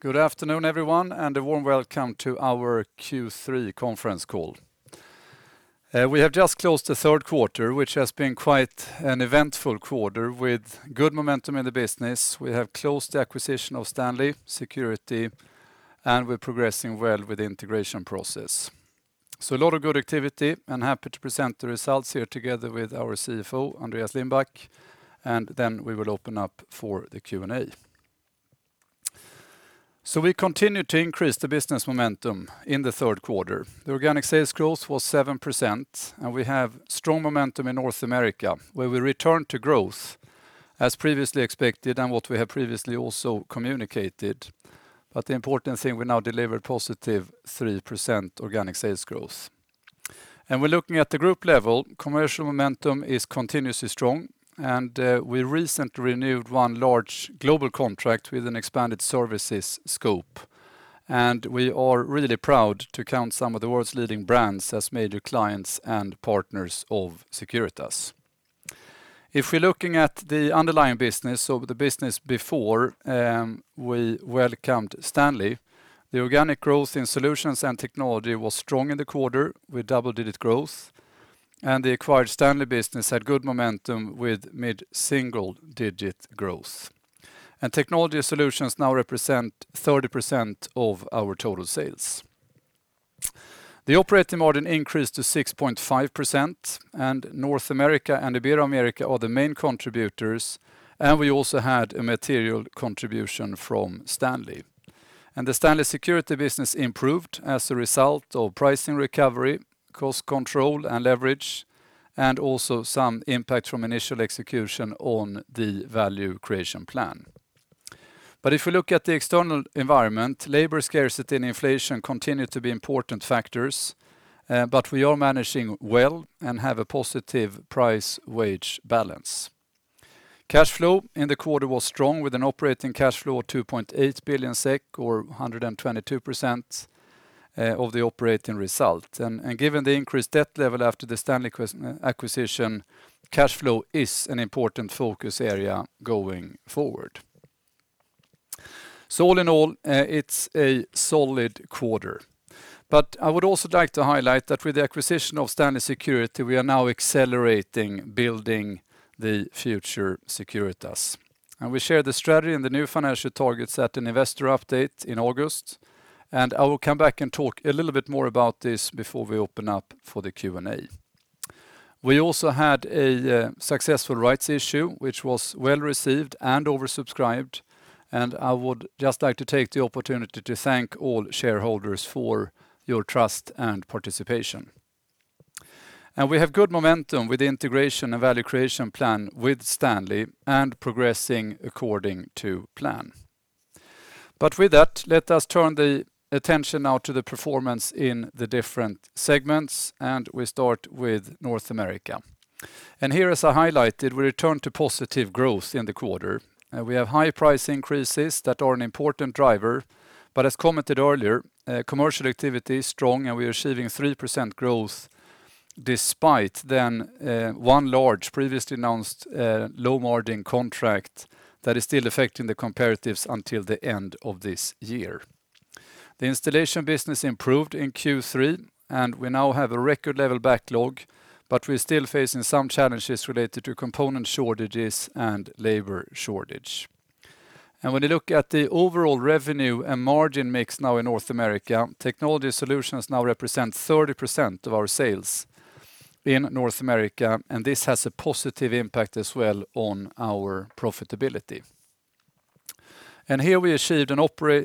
Good afternoon, everyone, and a warm welcome to our Q3 conference call. We have just closed the third quarter, which has been quite an eventful quarter with good momentum in the business. We have closed the acquisition of Stanley Security, and we're progressing well with the integration process. A lot of good activity. I'm happy to present the results here together with our CFO, Andreas Lindback, and then we will open up for the Q&A. We continue to increase the business momentum in the third quarter. The organic sales growth was 7%, and we have strong momentum in North America, where we return to growth as previously expected and what we have previously also communicated. But the important thing, we now deliver positive 3% organic sales growth. We're looking at the group level, commercial momentum is continuously strong, and we recently renewed one large global contract with an expanded services scope. We are really proud to count some of the world's leading brands as major clients and partners of Securitas. If we're looking at the underlying business, so the business before we welcomed Stanley, the organic growth in solutions and technology was strong in the quarter with double-digit growth, and the acquired Stanley business had good momentum with mid-single digit growth. Technology Solutions now represent 30% of our total sales. The operating margin increased to 6.5%, and North America and Ibero-America are the main contributors, and we also had a material contribution from Stanley. The Stanley Security business improved as a result of pricing recovery, cost control, and leverage, and also some impact from initial execution on the value creation plan. If you look at the external environment, labor scarcity and inflation continue to be important factors, but we are managing well and have a positive price-wage balance. Cash flow in the quarter was strong with an operating cash flow of 2.8 billion SEK, or 122% of the operating result. Given the increased debt level after the Stanley Security acquisition, cash flow is an important focus area going forward. All in all, it's a solid quarter. I would also like to highlight that with the acquisition of Stanley Security, we are now accelerating building the future Securitas. We share the strategy and the new financial targets at an investor update in August. I will come back and talk a little bit more about this before we open up for the Q&A. We also had a successful rights issue, which was well-received and oversubscribed, and I would just like to take the opportunity to thank all shareholders for your trust and participation. We have good momentum with the integration and value creation plan with Stanley and progressing according to plan. With that, let us turn the attention now to the performance in the different segments, and we start with North America. Here, as I highlighted, we return to positive growth in the quarter. We have high price increases that are an important driver, but as commented earlier, commercial activity is strong and we are achieving 3% growth despite the one large previously announced low margin contract that is still affecting the comparatives until the end of this year. The installation business improved in Q3, and we now have a record level backlog, but we're still facing some challenges related to component shortages and labor shortage. When you look at the overall revenue and margin mix now in North America, Technology Solutions now represent 30% of our sales in North America, and this has a positive impact as well on our profitability. Here we achieved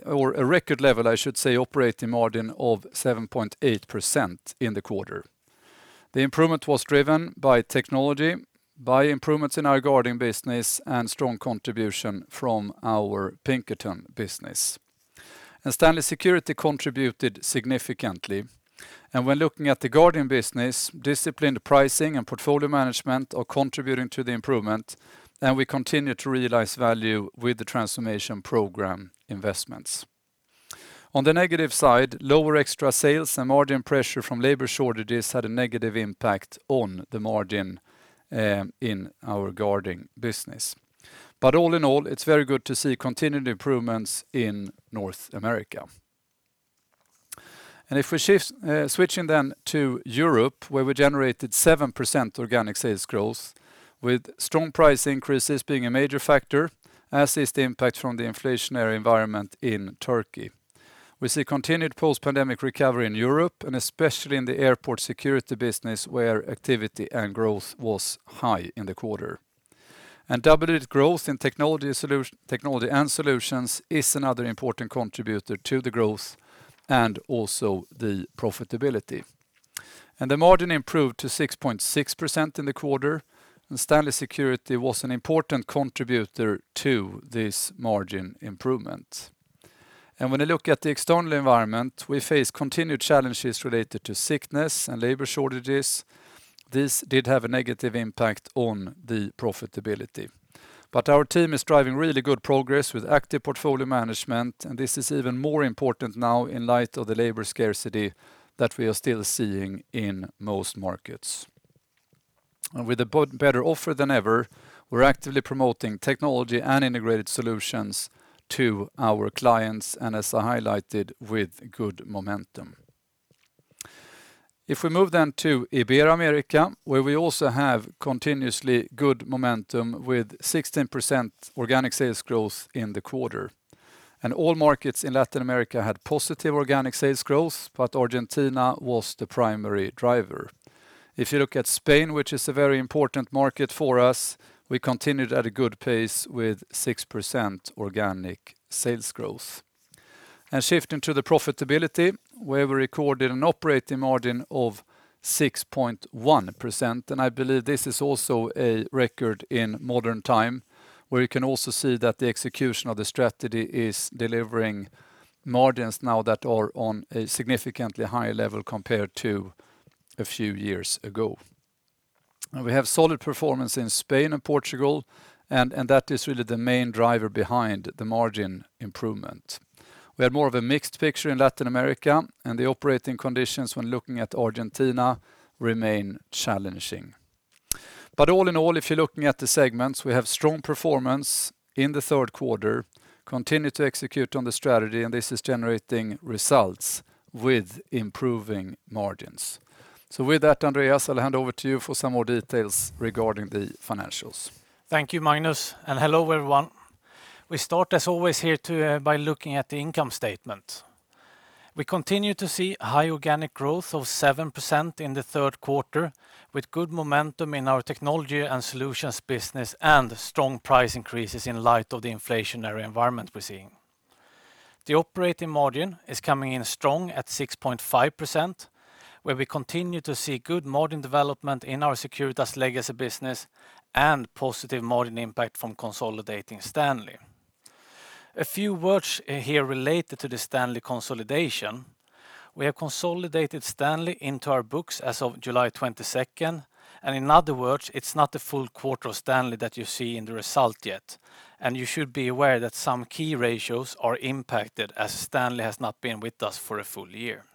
or a record level, I should say, operating margin of 7.8% in the quarter. The improvement was driven by technology, by improvements in our Guarding business and strong contribution from our Pinkerton business. Stanley Security contributed significantly. When looking at the Guarding business, disciplined pricing and portfolio management are contributing to the improvement, and we continue to realize value with the transformation program investments. On the negative side, lower extra sales and margin pressure from labor shortages had a negative impact on the margin in our Guarding business. All in all, it's very good to see continued improvements in North America. If we shift, switching then to Europe, where we generated 7% organic sales growth, with strong price increases being a major factor, as is the impact from the inflationary environment in Turkey. We see continued post-pandemic recovery in Europe, and especially in the airport security business, where activity and growth was high in the quarter. Double-digit growth in technology and solutions is another important contributor to the growth and also the profitability. The margin improved to 6.6% in the quarter, and Stanley Security was an important contributor to this margin improvement. When you look at the external environment, we face continued challenges related to sickness and labor shortages. This did have a negative impact on the profitability. Our team is driving really good progress with active portfolio management, and this is even more important now in light of the labor scarcity that we are still seeing in most markets. With a better offer than ever, we're actively promoting technology and integrated solutions to our clients, and as I highlighted, with good momentum. If we move then to Ibero-America, where we also have continuously good momentum with 16% organic sales growth in the quarter. All markets in Latin America had positive organic sales growth, but Argentina was the primary driver. If you look at Spain, which is a very important market for us, we continued at a good pace with 6% organic sales growth. Shifting to the profitability, where we recorded an operating margin of 6.1%, and I believe this is also a record in modern time, where you can also see that the execution of the strategy is delivering margins now that are on a significantly higher level compared to a few years ago. We have solid performance in Spain and Portugal, and that is really the main driver behind the margin improvement. We had more of a mixed picture in Latin America, and the operating conditions when looking at Argentina remain challenging. All in all, if you're looking at the segments, we have strong performance in the third quarter, continue to execute on the strategy, and this is generating results with improving margins. With that, Andreas, I'll hand over to you for some more details regarding the financials. Thank you, Magnus, and hello, everyone. We start as always by looking at the income statement. We continue to see high organic growth of 7% in the third quarter with good momentum in our technology and solutions business and strong price increases in light of the inflationary environment we're seeing. The operating margin is coming in strong at 6.5%, where we continue to see good margin development in our Securitas legacy business and positive margin impact from consolidating Stanley. A few words here related to the Stanley consolidation. We have consolidated Stanley into our books as of July 22, and in other words, it's not the full quarter of Stanley that you see in the result yet. You should be aware that some key ratios are impacted as Stanley has not been with us for a full year.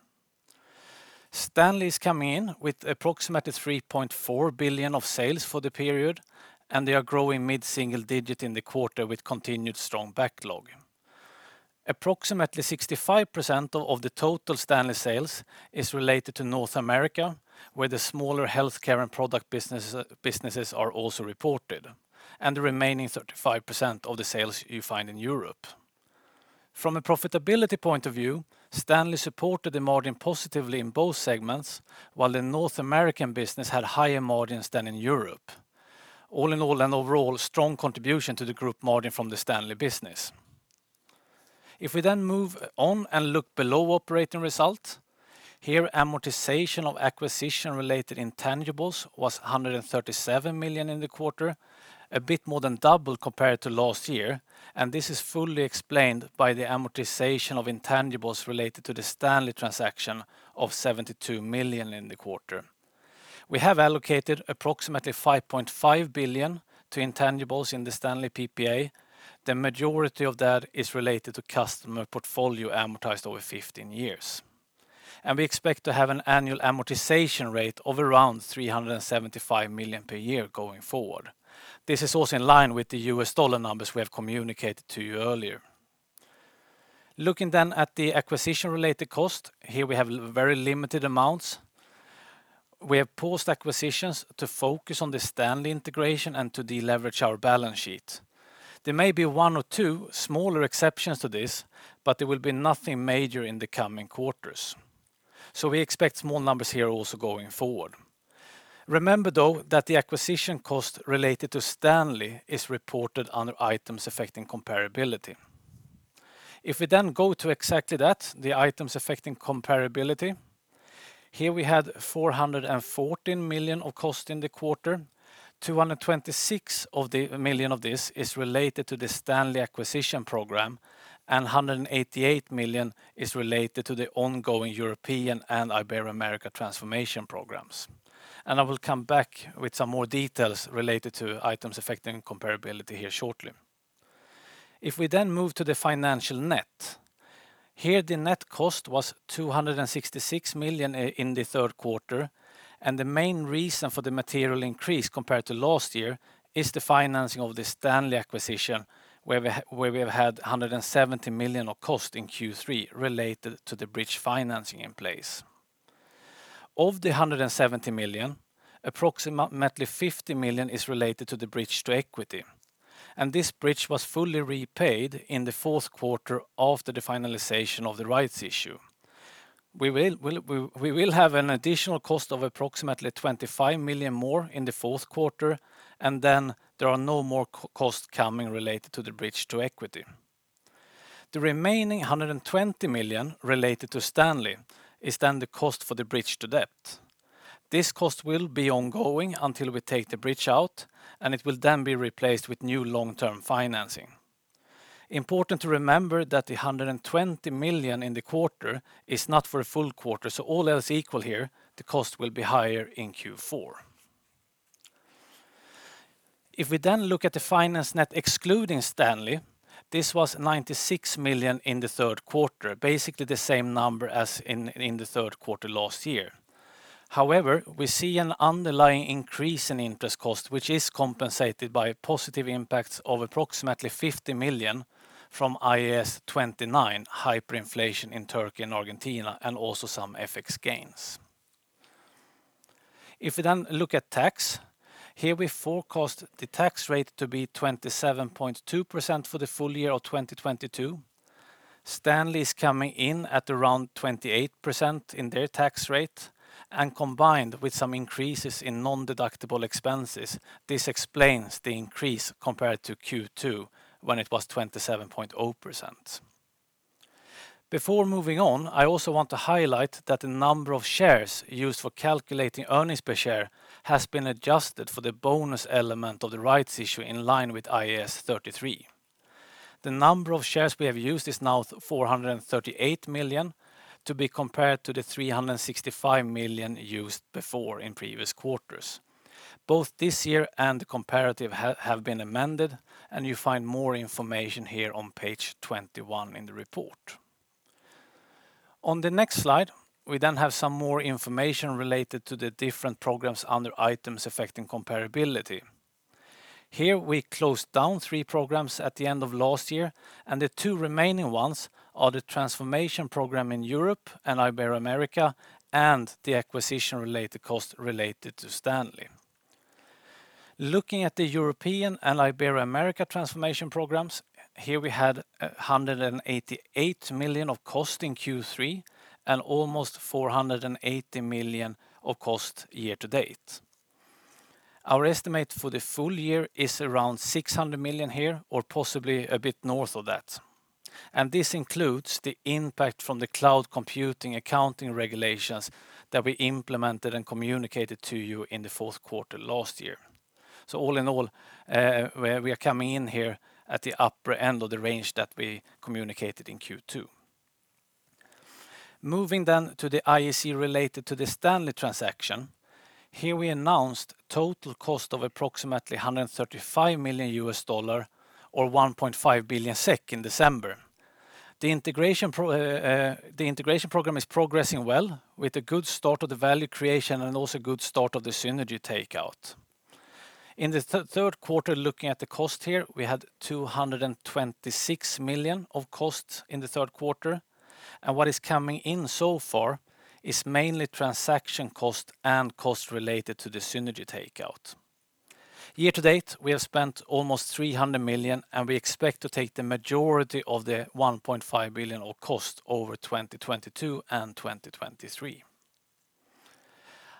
Stanley's come in with approximately 3.4 billion of sales for the period, and they are growing mid-single-digit% in the quarter with continued strong backlog. Approximately 65% of the total Stanley sales is related to North America, where the smaller healthcare and product businesses are also reported, and the remaining 35% of the sales you find in Europe. From a profitability point of view, Stanley supported the margin positively in both segments, while the North American business had higher margins than in Europe. All in all, an overall strong contribution to the group margin from the Stanley business. If we then move on and look below operating results, here amortization of acquisition-related intangibles was 137 million in the quarter, a bit more than double compared to last year. This is fully explained by the amortization of intangibles related to the Stanley transaction of 72 million in the quarter. We have allocated approximately 5.5 billion to intangibles in the Stanley PPA. The majority of that is related to customer portfolio amortized over 15 years. We expect to have an annual amortization rate of around 375 million per year going forward. This is also in line with the US dollar numbers we have communicated to you earlier. Looking then at the acquisition-related cost, here we have very limited amounts. We have paused acquisitions to focus on the Stanley integration and to deleverage our balance sheet. There may be one or two smaller exceptions to this, but there will be nothing major in the coming quarters. We expect small numbers here also going forward. Remember though, that the acquisition cost related to Stanley is reported under items affecting comparability. If we then go to exactly that, the items affecting comparability, here we had 414 million of cost in the quarter. 226 million of this is related to the Stanley acquisition program, and 188 million is related to the ongoing European and Ibero-America transformation programs. I will come back with some more details related to items affecting comparability here shortly. If we then move to the financial net, here the net cost was 266 million in the third quarter, and the main reason for the material increase compared to last year is the financing of the Stanley acquisition, where we have had 170 million of cost in Q3 related to the bridge financing in place. Of the 170 million, approximately 50 million is related to the bridge to equity, and this bridge was fully repaid in the fourth quarter after the finalization of the rights issue. We will have an additional cost of approximately 25 million more in the fourth quarter, and then there are no more cost coming related to the bridge to equity. The remaining 120 million related to Stanley is then the cost for the bridge to debt. This cost will be ongoing until we take the bridge out, and it will then be replaced with new long-term financing. Important to remember that the 120 million in the quarter is not for a full quarter, so all else equal here, the cost will be higher in Q4. If we then look at the finance net excluding Stanley, this was 96 million in the third quarter, basically the same number as in the third quarter last year. However, we see an underlying increase in interest cost, which is compensated by positive impacts of approximately 50 million from IAS 29, hyperinflation in Turkey and Argentina, and also some FX gains. If we then look at tax, here we forecast the tax rate to be 27.2% for the full year of 2022. Stanley's coming in at around 28% in their tax rate and combined with some increases in non-deductible expenses, this explains the increase compared to Q2 when it was 27.0%. Before moving on, I also want to highlight that the number of shares used for calculating earnings per share has been adjusted for the bonus element of the rights issue in line with IAS 33. The number of shares we have used is now 438 million to be compared to the 365 million used before in previous quarters. Both this year and the comparative have been amended, and you find more information here on page 21 in the report. On the next slide, we have some more information related to the different programs under items affecting comparability. Here we closed down 3 programs at the end of last year, and the 2 remaining ones are the transformation program in Europe and Ibero-America and the acquisition-related cost related to Stanley. Looking at the European and Ibero-America transformation programs, here we had 188 million of cost in Q3 and almost 480 million of cost year to date. Our estimate for the full year is around 600 million here, or possibly a bit north of that. This includes the impact from the cloud computing accounting regulations that we implemented and communicated to you in the fourth quarter last year. All in all, we are coming in here at the upper end of the range that we communicated in Q2. Moving to the IAC related to the Stanley transaction, here we announced total cost of approximately $135 million or 1.5 billion SEK in December. The integration program is progressing well with a good start of the value creation and also good start of the synergy takeout. In the third quarter, looking at the cost here, we had 226 million of costs in the third quarter, and what is coming in so far is mainly transaction cost and cost related to the synergy takeout. Year to date, we have spent almost 300 million, and we expect to take the majority of the 1.5 billion of cost over 2022 and 2023.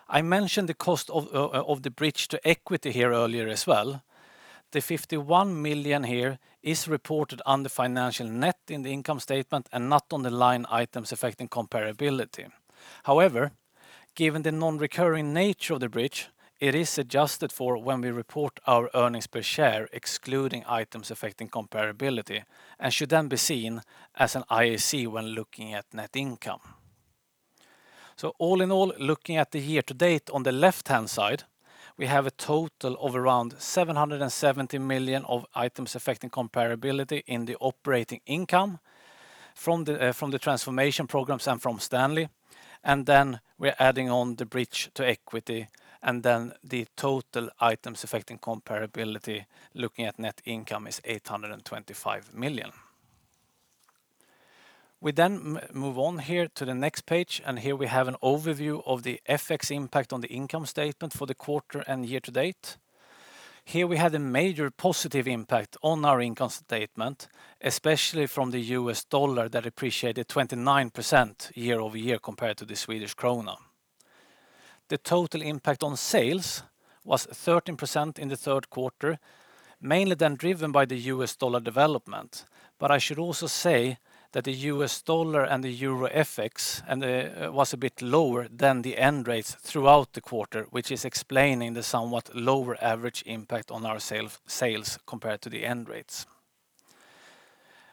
I mentioned the cost of the bridge to equity here earlier as well. The 51 million here is reported under financial net in the income statement and not on the line items affecting comparability. However, given the non-recurring nature of the bridge, it is adjusted for when we report our earnings per share, excluding items affecting comparability, and should then be seen as an IAC when looking at net income. All in all, looking at the year to date on the left-hand side, we have a total of around 770 million of items affecting comparability in the operating income from the transformation programs and from Stanley. We're adding on the bridge to equity, and then the total items affecting comparability looking at net income is 825 million. We then move on here to the next page, and here we have an overview of the FX impact on the income statement for the quarter and year to date. Here we had a major positive impact on our income statement, especially from the US dollar that appreciated 29% year-over-year compared to the Swedish krona. The total impact on sales was 13% in the third quarter, mainly then driven by the US dollar development. I should also say that the US dollar and the euro FX was a bit lower than the end rates throughout the quarter, which is explaining the somewhat lower average impact on our sales compared to the end rates.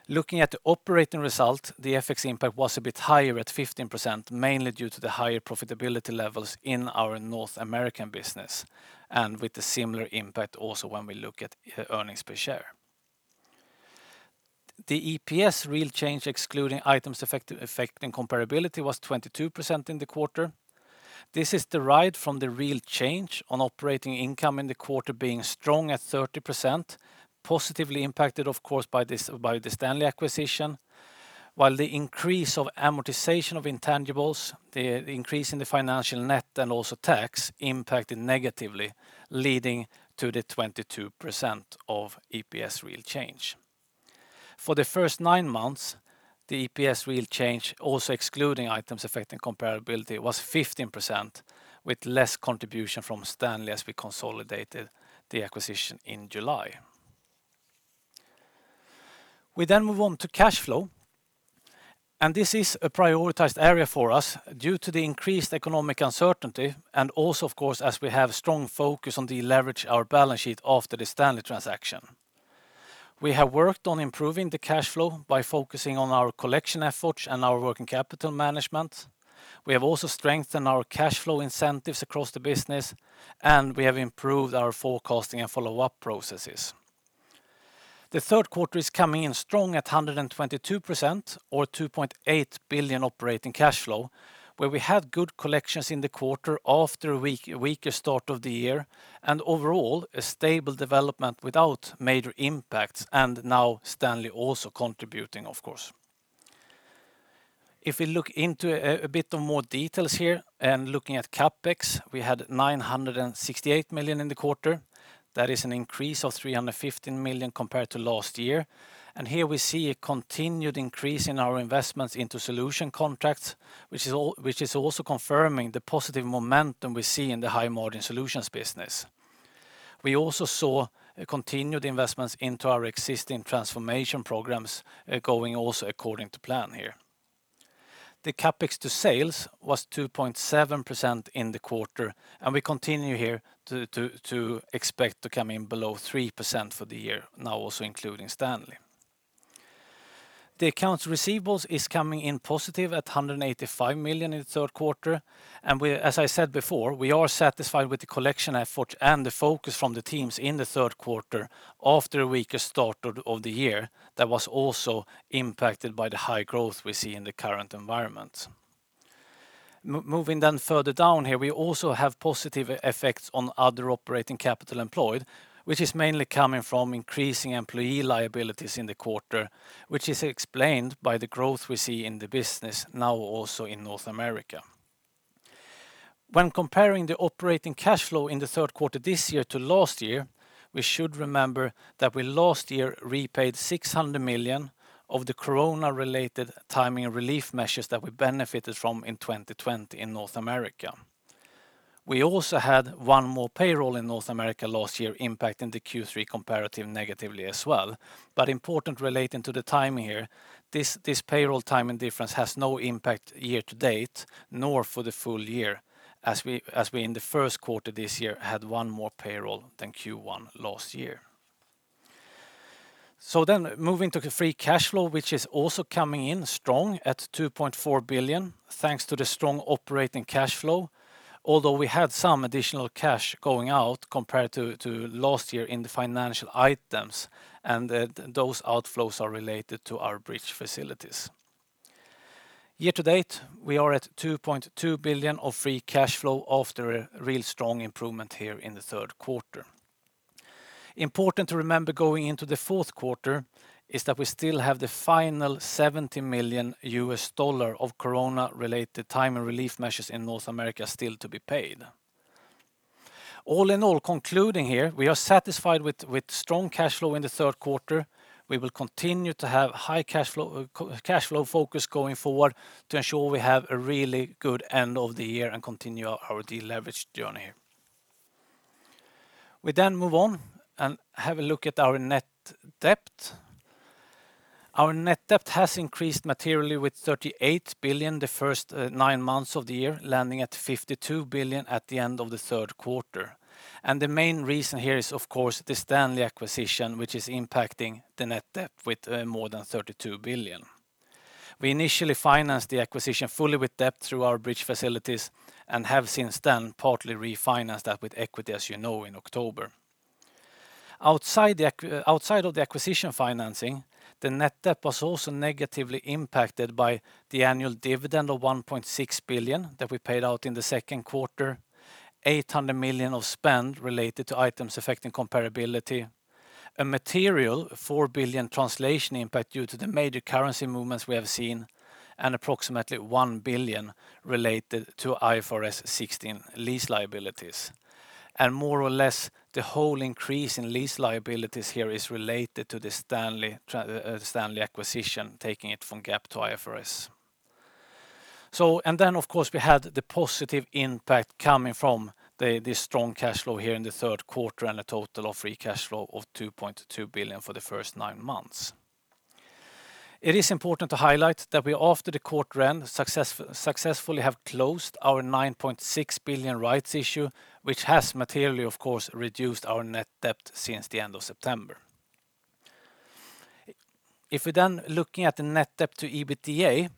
Looking at the operating result, the FX impact was a bit higher at 15%, mainly due to the higher profitability levels in our North American business and with the similar impact also when we look at earnings per share. The EPS real change, excluding items affecting comparability, was 22% in the quarter. This is derived from the real change on operating income in the quarter being strong at 30%, positively impacted, of course, by this, by the Stanley acquisition. While the increase of amortization of intangibles, the increase in the financial net and also tax impacted negatively, leading to the 22% of EPS real change. For the first nine months, the EPS real change, also excluding items affecting comparability, was 15% with less contribution from Stanley as we consolidated the acquisition in July. We move on to cash flow. This is a prioritized area for us due to the increased economic uncertainty and also of course, as we have strong focus on deleverage our balance sheet after the Stanley transaction. We have worked on improving the cash flow by focusing on our collection efforts and our working capital management. We have also strengthened our cash flow incentives across the business, and we have improved our forecasting and follow-up processes. The third quarter is coming in strong at 122% or 2.8 billion operating cash flow, where we had good collections in the quarter after a weaker start of the year and overall, a stable development without major impacts, and now Stanley also contributing, of course. If we look into a bit of more details here and looking at CapEx, we had 968 million in the quarter. That is an increase of 315 million compared to last year. Here we see a continued increase in our investments into solution contracts, which is also confirming the positive momentum we see in the high-margin solutions business. We also saw continued investments into our existing transformation programs, going also according to plan here. The CapEx to sales was 2.7% in the quarter, and we continue here to expect to come in below 3% for the year, now also including Stanley. The accounts receivable is coming in positive at 185 million in the third quarter, and, as I said before, we are satisfied with the collection effort and the focus from the teams in the third quarter after a weaker start of the year that was also impacted by the high growth we see in the current environment. Moving further down here, we also have positive effects on other operating capital employed, which is mainly coming from increasing employee liabilities in the quarter, which is explained by the growth we see in the business now also in North America. When comparing the operating cash flow in the third quarter this year to last year, we should remember that we last year repaid 600 million of the COVID-related timing and relief measures that we benefited from in 2020 in North America. We also had one more payroll in North America last year impacting the Q3 comparative negatively as well. Important relating to the timing here, this payroll timing difference has no impact year-to-date nor for the full year as we in the first quarter this year had one more payroll than Q1 last year. Moving to the free cash flow, which is also coming in strong at 2.4 billion, thanks to the strong operating cash flow. Although we had some additional cash going out compared to last year in the financial items, and those outflows are related to our bridge facilities. Year to date, we are at 2.2 billion of free cash flow after a real strong improvement here in the third quarter. Important to remember going into the fourth quarter is that we still have the final $70 million of COVID-related timing and relief measures in North America still to be paid. All in all, concluding here, we are satisfied with strong cash flow in the third quarter. We will continue to have high cash flow, cash flow focus going forward to ensure we have a really good end of the year and continue our deleverage journey. We move on and have a look at our net debt. Our net debt has increased materially by 38 billion the first nine months of the year, landing at 52 billion at the end of the third quarter. The main reason here is, of course, the Stanley acquisition, which is impacting the net debt by more than 32 billion. We initially financed the acquisition fully with debt through our bridge facilities and have since then partly refinanced that with equity, as you know, in October. Outside of the acquisition financing, the net debt was also negatively impacted by the annual dividend of 1.6 billion that we paid out in the second quarter, 800 million of spend related to items affecting comparability, a material 4 billion translation impact due to the major currency movements we have seen, and approximately 1 billion related to IFRS 16 lease liabilities. More or less the whole increase in lease liabilities here is related to the Stanley acquisition, taking it from GAAP to IFRS. Of course, we had the positive impact coming from the strong cash flow here in the third quarter and a total of free cash flow of 2.2 billion for the first nine months. It is important to highlight that we, after the quarter end, successfully have closed our 9.6 billion rights issue, which has materially, of course, reduced our net debt since the end of September. If we then looking at the net debt to EBITDA,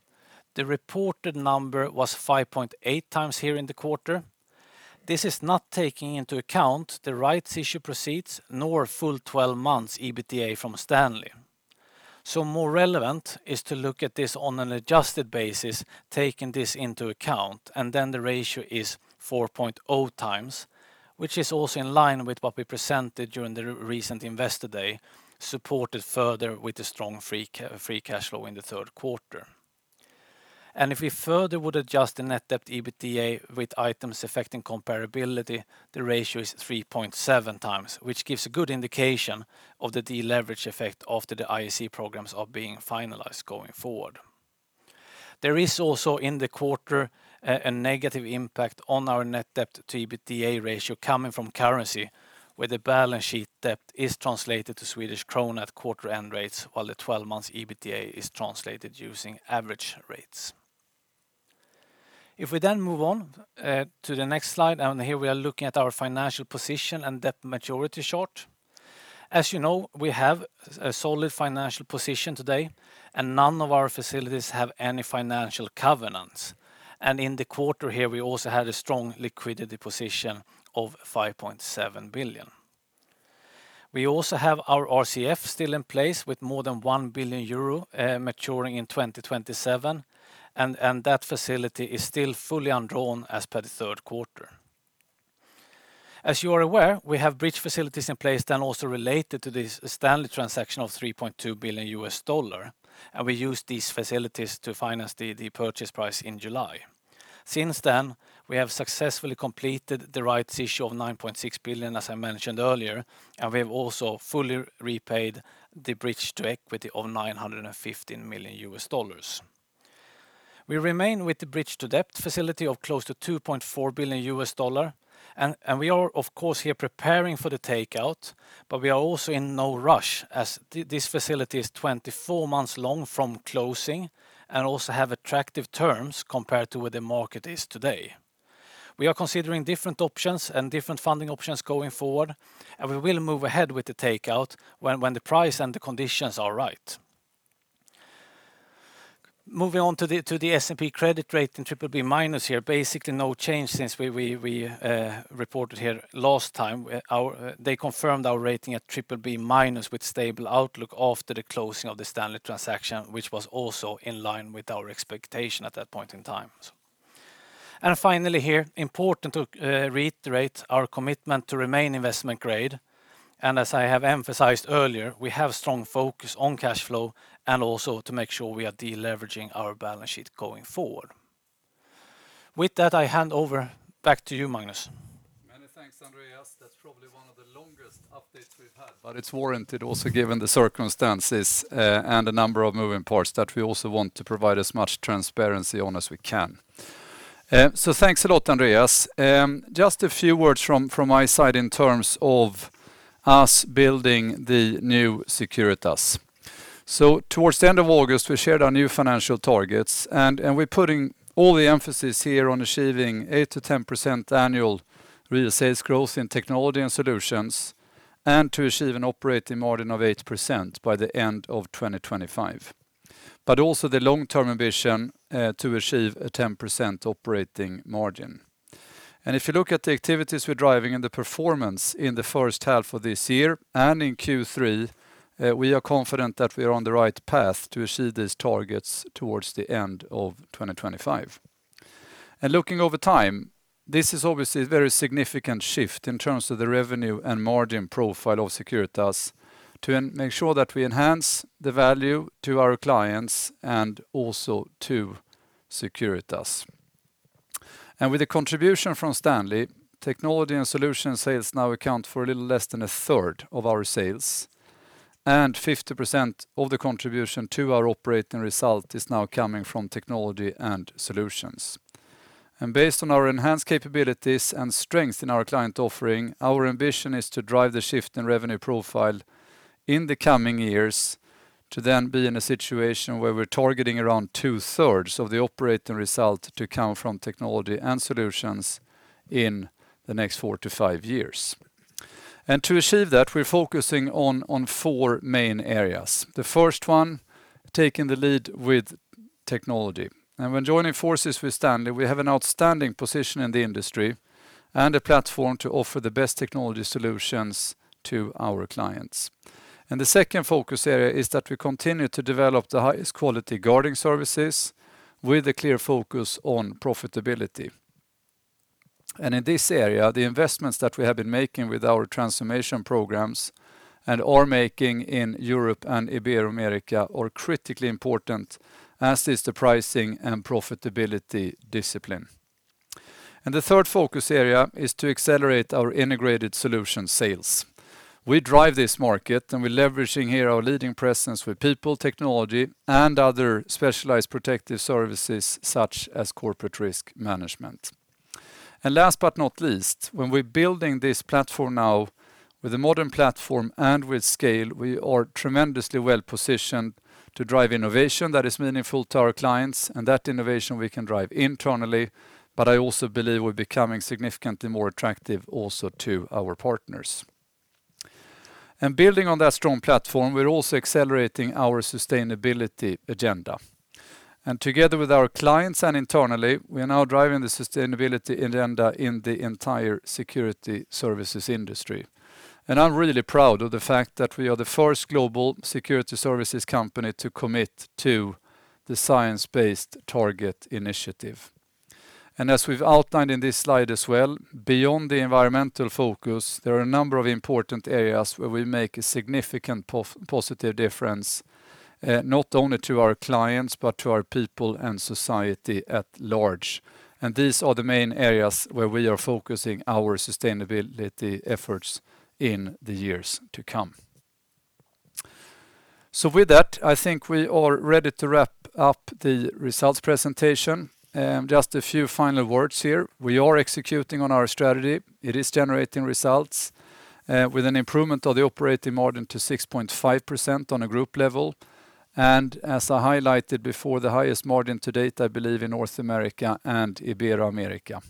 the reported number was 5.8 times here in the quarter. This is not taking into account the rights issue proceeds nor full 12 months EBITDA from Stanley. More relevant is to look at this on an adjusted basis, taking this into account, and then the ratio is 4.0 times, which is also in line with what we presented during the recent Investor Day, supported further with the strong free cash flow in the third quarter. If we further would adjust the net debt to EBITDA with items affecting comparability, the ratio is 3.7 times, which gives a good indication of the deleverage effect after the IAC programs are being finalized going forward. There is also in the quarter a negative impact on our net debt to EBITDA ratio coming from currency, where the balance sheet debt is translated to Swedish krona at quarter-end rates while the twelve months EBITDA is translated using average rates. If we then move on to the next slide, and here we are looking at our financial position and debt maturity chart. As you know, we have a solid financial position today, and none of our facilities have any financial covenants. In the quarter here, we also had a strong liquidity position of 5.7 billion. We also have our RCF still in place with more than 1 billion euro, maturing in 2027 and that facility is still fully undrawn as per the third quarter. As you are aware, we have bridge facilities in place then also related to this Stanley transaction of $3.2 billion, and we use these facilities to finance the purchase price in July. Since then, we have successfully completed the rights issue of 9.6 billion, as I mentioned earlier, and we have also fully repaid the bridge to equity of $915 million. We remain with the bridge to debt facility of close to $2.4 billion, and we are of course here preparing for the takeout, but we are also in no rush as this facility is 24 months long from closing and also have attractive terms compared to where the market is today. We are considering different options and different funding options going forward, and we will move ahead with the takeout when the price and the conditions are right. Moving on to the S&P credit rating BBB- here. Basically no change since we reported here last time. They confirmed our rating at BBB- with stable outlook after the closing of the Stanley transaction, which was also in line with our expectation at that point in time. Finally here, important to reiterate our commitment to remain investment grade. As I have emphasized earlier, we have strong focus on cash flow and also to make sure we are de-leveraging our balance sheet going forward. With that, I hand over back to you, Magnus. Many thanks, Andreas. That's probably one of the longest updates we've had, but it's warranted also given the circumstances, and the number of moving parts that we also want to provide as much transparency on as we can. Thanks a lot, Andreas. Just a few words from my side in terms of us building the new Securitas. Towards the end of August, we shared our new financial targets and we're putting all the emphasis here on achieving 8%-10% annual real sales growth in technology and solutions, and to achieve an operating margin of 8% by the end of 2025. Also the long-term ambition to achieve a 10% operating margin. If you look at the activities we're driving and the performance in the first half of this year and in Q3, we are confident that we are on the right path to achieve these targets towards the end of 2025. Looking over time, this is obviously a very significant shift in terms of the revenue and margin profile of Securitas to make sure that we enhance the value to our clients and also to Securitas. With the contribution from Stanley, technology and solution sales now account for a little less than a third of our sales, and 50% of the contribution to our operating result is now coming from technology and solutions. Based on our enhanced capabilities and strength in our client offering, our ambition is to drive the shift in revenue profile in the coming years to then be in a situation where we're targeting around two-thirds of the operating result to come from technology and solutions in the next 4-5 years. To achieve that, we're focusing on four main areas. The first one, taking the lead with technology. When joining forces with Stanley, we have an outstanding position in the industry and a platform to offer the best technology solutions to our clients. The second focus area is that we continue to develop the highest quality guarding services with a clear focus on profitability. In this area, the investments that we have been making with our transformation programs and are making in Europe and Ibero-America are critically important, as is the pricing and profitability discipline. The third focus area is to accelerate our integrated solution sales. We drive this market, and we're leveraging here our leading presence with people, technology, and other specialized protective services such as corporate risk management. Last but not least, when we're building this platform now with a modern platform and with scale, we are tremendously well-positioned to drive innovation that is meaningful to our clients. That innovation we can drive internally, but I also believe we're becoming significantly more attractive also to our partners. Building on that strong platform, we're also accelerating our sustainability agenda. Together with our clients and internally, we are now driving the sustainability agenda in the entire security services industry. I'm really proud of the fact that we are the first global security services company to commit to the Science Based Targets initiative. As we've outlined in this slide as well, beyond the environmental focus, there are a number of important areas where we make a significant positive difference, not only to our clients, but to our people and society at large. These are the main areas where we are focusing our sustainability efforts in the years to come. With that, I think we are ready to wrap up the results presentation. Just a few final words here. We are executing on our strategy. It is generating results with an improvement of the operating margin to 6.5% on a group level. As I highlighted before, the highest margin to date, I believe, in North America and Ibero-America.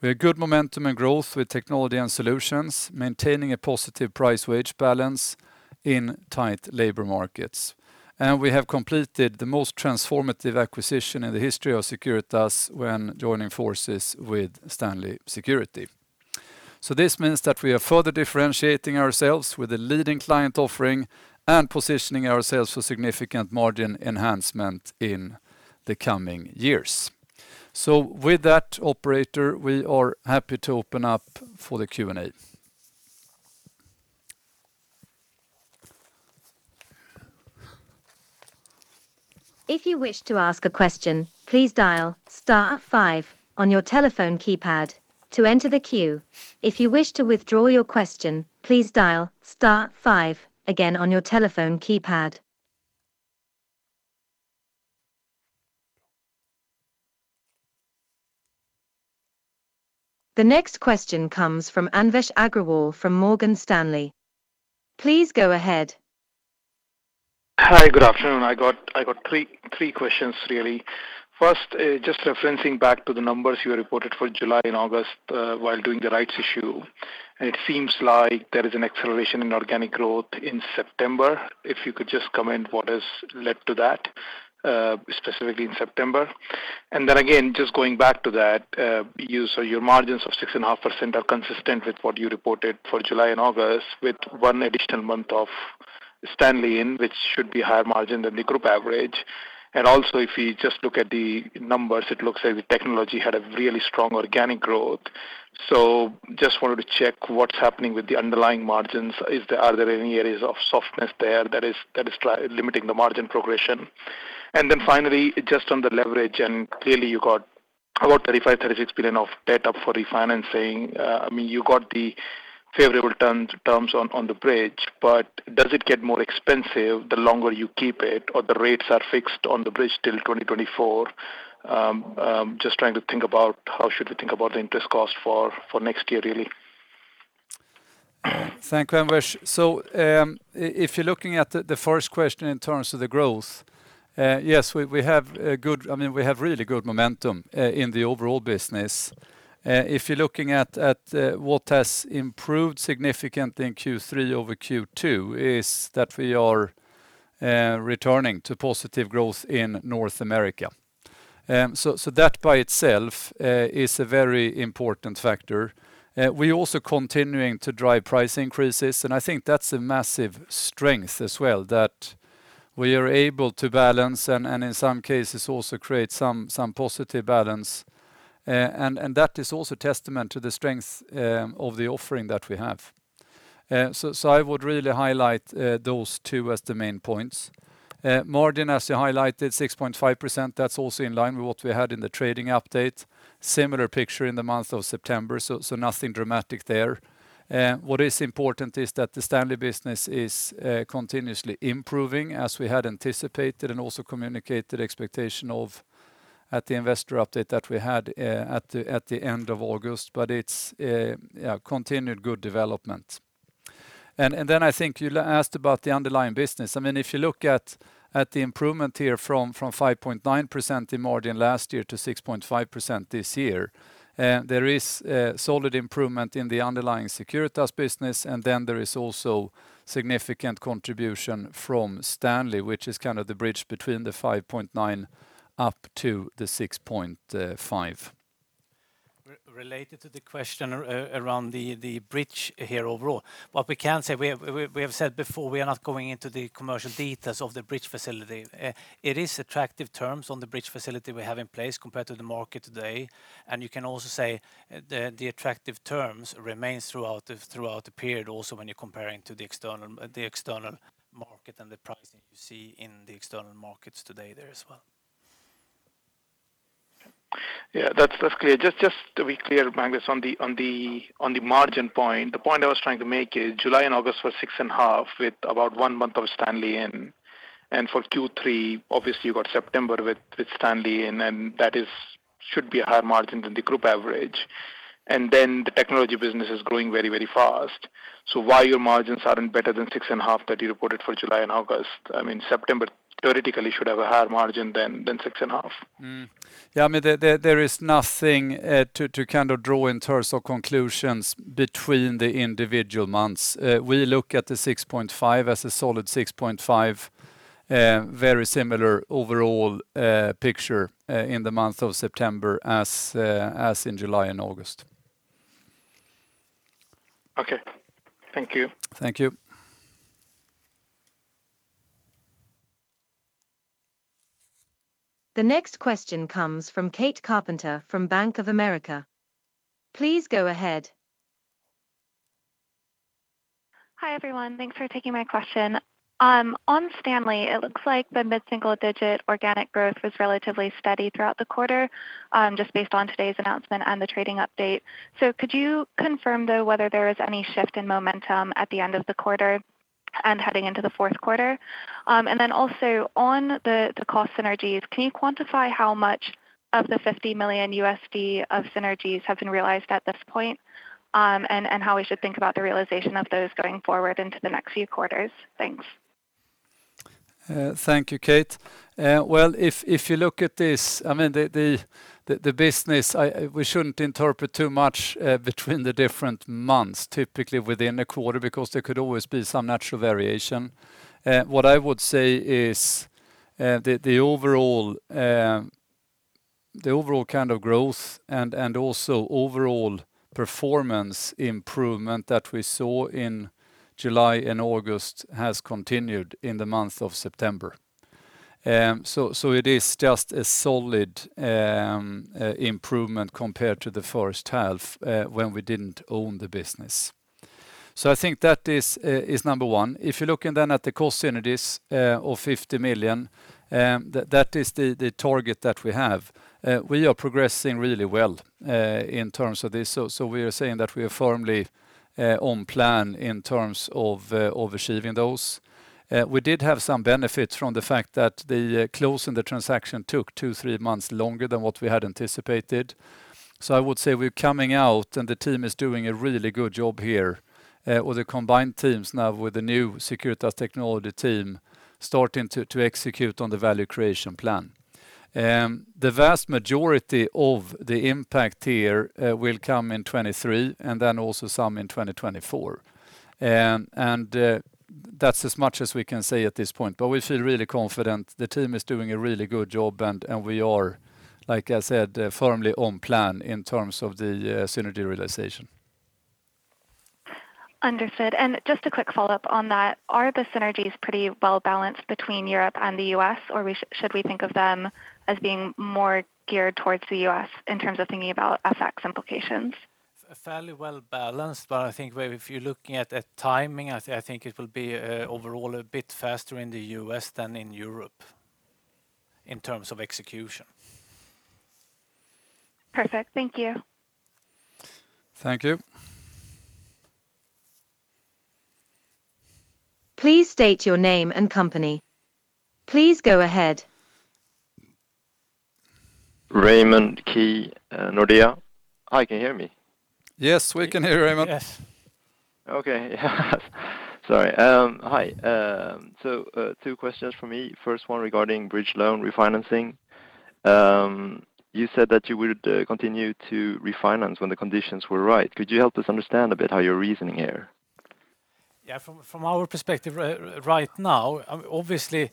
We have good momentum and growth with Technology Solutions, maintaining a positive price wage balance in tight labor markets. We have completed the most transformative acquisition in the history of Securitas when joining forces with Stanley Security. This means that we are further differentiating ourselves with a leading client offering and positioning ourselves for significant margin enhancement in the coming years. With that operator, we are happy to open up for the Q&A. If you wish to ask a question, please dial star five on your telephone keypad to enter the queue. If you wish to withdraw your question, please dial star five again on your telephone keypad. The next question comes from Anvesh Agrawal from Morgan Stanley. Please go ahead. Hi, good afternoon. I got three questions really. First, just referencing back to the numbers you reported for July and August, while doing the rights issue. It seems like there is an acceleration in organic growth in September. If you could just comment what has led to that, specifically in September. Again, just going back to that, so your margins of 6.5% are consistent with what you reported for July and August with one additional month of Stanley in, which should be higher margin than the group average. Also if we just look at the numbers, it looks like the technology had a really strong organic growth. Just wanted to check what's happening with the underlying margins. Are there any areas of softness there that is limiting the margin progression? Just on the leverage, and clearly you got about 35 billion-36 billion of debt up for refinancing. I mean, you got the favorable terms on the bridge, but does it get more expensive the longer you keep it, or the rates are fixed on the bridge till 2024? Just trying to think about how should we think about the interest cost for next year really. Thank you, Anvesh. If you're looking at the first question in terms of the growth, yes, I mean, we have really good momentum in the overall business. If you're looking at what has improved significantly in Q3 over Q2 is that we are returning to positive growth in North America. That by itself is a very important factor. We're also continuing to drive price increases, and I think that's a massive strength as well, that we are able to balance and in some cases also create some positive balance. That is also testament to the strength of the offering that we have. I would really highlight those two as the main points. Margin, as you highlighted, 6.5%, that's also in line with what we had in the trading update. Similar picture in the month of September, so nothing dramatic there. What is important is that the Stanley business is continuously improving as we had anticipated and also communicated expectation of at the investor update that we had at the end of August. It's yeah, continued good development. Then I think you asked about the underlying business. I mean, if you look at the improvement here from 5.9% in margin last year to 6.5% this year, there is solid improvement in the underlying Securitas business. There is also significant contribution from Stanley, which is kind of the bridge between 5.9 up to 6.5. Regarding the question around the bridge here overall. What we can say, we have said before, we are not going into the commercial details of the bridge facility. It is attractive terms on the bridge facility we have in place compared to the market today. You can also say the attractive terms remain throughout the period also when you're comparing to the external market and the pricing you see in the external markets today there as well. Yeah, that's clear. Just to be clear, Magnus, on the margin point. The point I was trying to make is July and August was 6.5% with about one month of Stanley in. For Q3, obviously you got September with Stanley in, and that is should be a higher margin than the group average. The technology business is growing very fast. Why your margins aren't better than 6.5% that you reported for July and August? I mean, September theoretically should have a higher margin than 6.5%. I mean, there is nothing to kind of draw in terms of conclusions between the individual months. We look at the 6.5% as a solid 6.5%, very similar overall picture in the month of September as in July and August. Okay. Thank you. Thank you. The next question comes from Katherine Carpenter from Bank of America. Please go ahead. Hi, everyone. Thanks for taking my question. On Stanley, it looks like the mid-single digit organic growth was relatively steady throughout the quarter, just based on today's announcement and the trading update. Could you confirm though, whether there is any shift in momentum at the end of the quarter and heading into the fourth quarter? And then also on the cost synergies, can you quantify how much of the $50 million of synergies have been realized at this point? And how we should think about the realization of those going forward into the next few quarters? Thanks. Thank you, Kate. If you look at this, I mean, the business, we shouldn't interpret too much between the different months, typically within a quarter, because there could always be some natural variation. What I would say is, the overall kind of growth and also overall performance improvement that we saw in July and August has continued in the month of September. It is just a solid improvement compared to the first half, when we didn't own the business. I think that is number one. If you're looking then at the cost synergies of 50 million, that is the target that we have. We are progressing really well in terms of this. We are saying that we are firmly on plan in terms of achieving those. We did have some benefits from the fact that the close and the transaction took 2-3 months longer than what we had anticipated. I would say we're coming out, and the team is doing a really good job here with the combined teams now with the new Securitas technology team starting to execute on the value creation plan. The vast majority of the impact here will come in 2023, and then also some in 2024. That's as much as we can say at this point. We feel really confident the team is doing a really good job, and we are, like I said, firmly on plan in terms of the synergy realization. Understood. Just a quick follow-up on that. Are the synergies pretty well-balanced between Europe and the U.S., or should we think of them as being more geared towards the U.S. in terms of thinking about FX implications? Fairly well-balanced, I think where if you're looking at a timing, I think it will be, overall a bit faster in the U.S. than in Europe in terms of execution. Perfect. Thank you. Thank you. Please state your name and company. Please go ahead. Raymond Ke, Nordea. Hi, can you hear me? Yes, we can hear you, Raymond. Yes. Okay. Sorry. Hi. Two questions from me. First one regarding bridge loan refinancing. You said that you would continue to refinance when the conditions were right. Could you help us understand a bit how you're reasoning here? Yeah. From our perspective right now, obviously,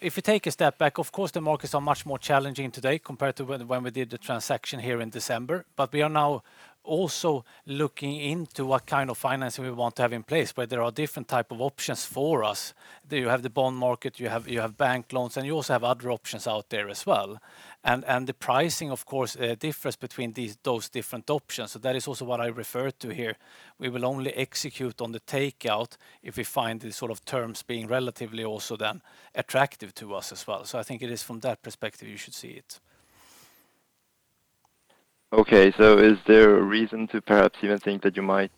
if you take a step back, of course, the markets are much more challenging today compared to when we did the transaction here in December. We are now also looking into what kind of financing we want to have in place, where there are different type of options for us. You have the bond market, you have bank loans, and you also have other options out there as well. The pricing, of course, difference between those different options. That is also what I referred to here. We will only execute on the takeout if we find the sort of terms being relatively also then attractive to us as well. I think it is from that perspective you should see it. Okay. Is there a reason to perhaps even think that you might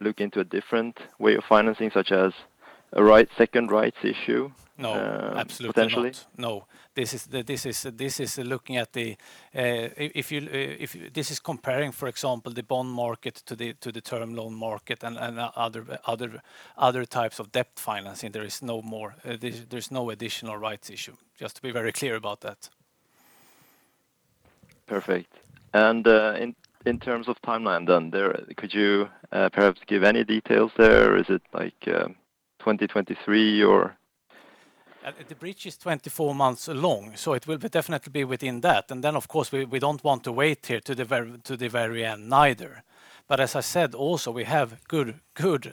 look into a different way of financing, such as a rights issue? No. Potentially? Absolutely not. No. This is looking at, if this is comparing, for example, the bond market to the term loan market and other types of debt financing. There's no additional rights issue. Just to be very clear about that. Perfect. In terms of timeline then there, could you perhaps give any details there? Is it like, 2023 or? The bridge is 24 months long, so it will definitely be within that. Then of course, we don't want to wait here to the very end either. As I said, also, we have good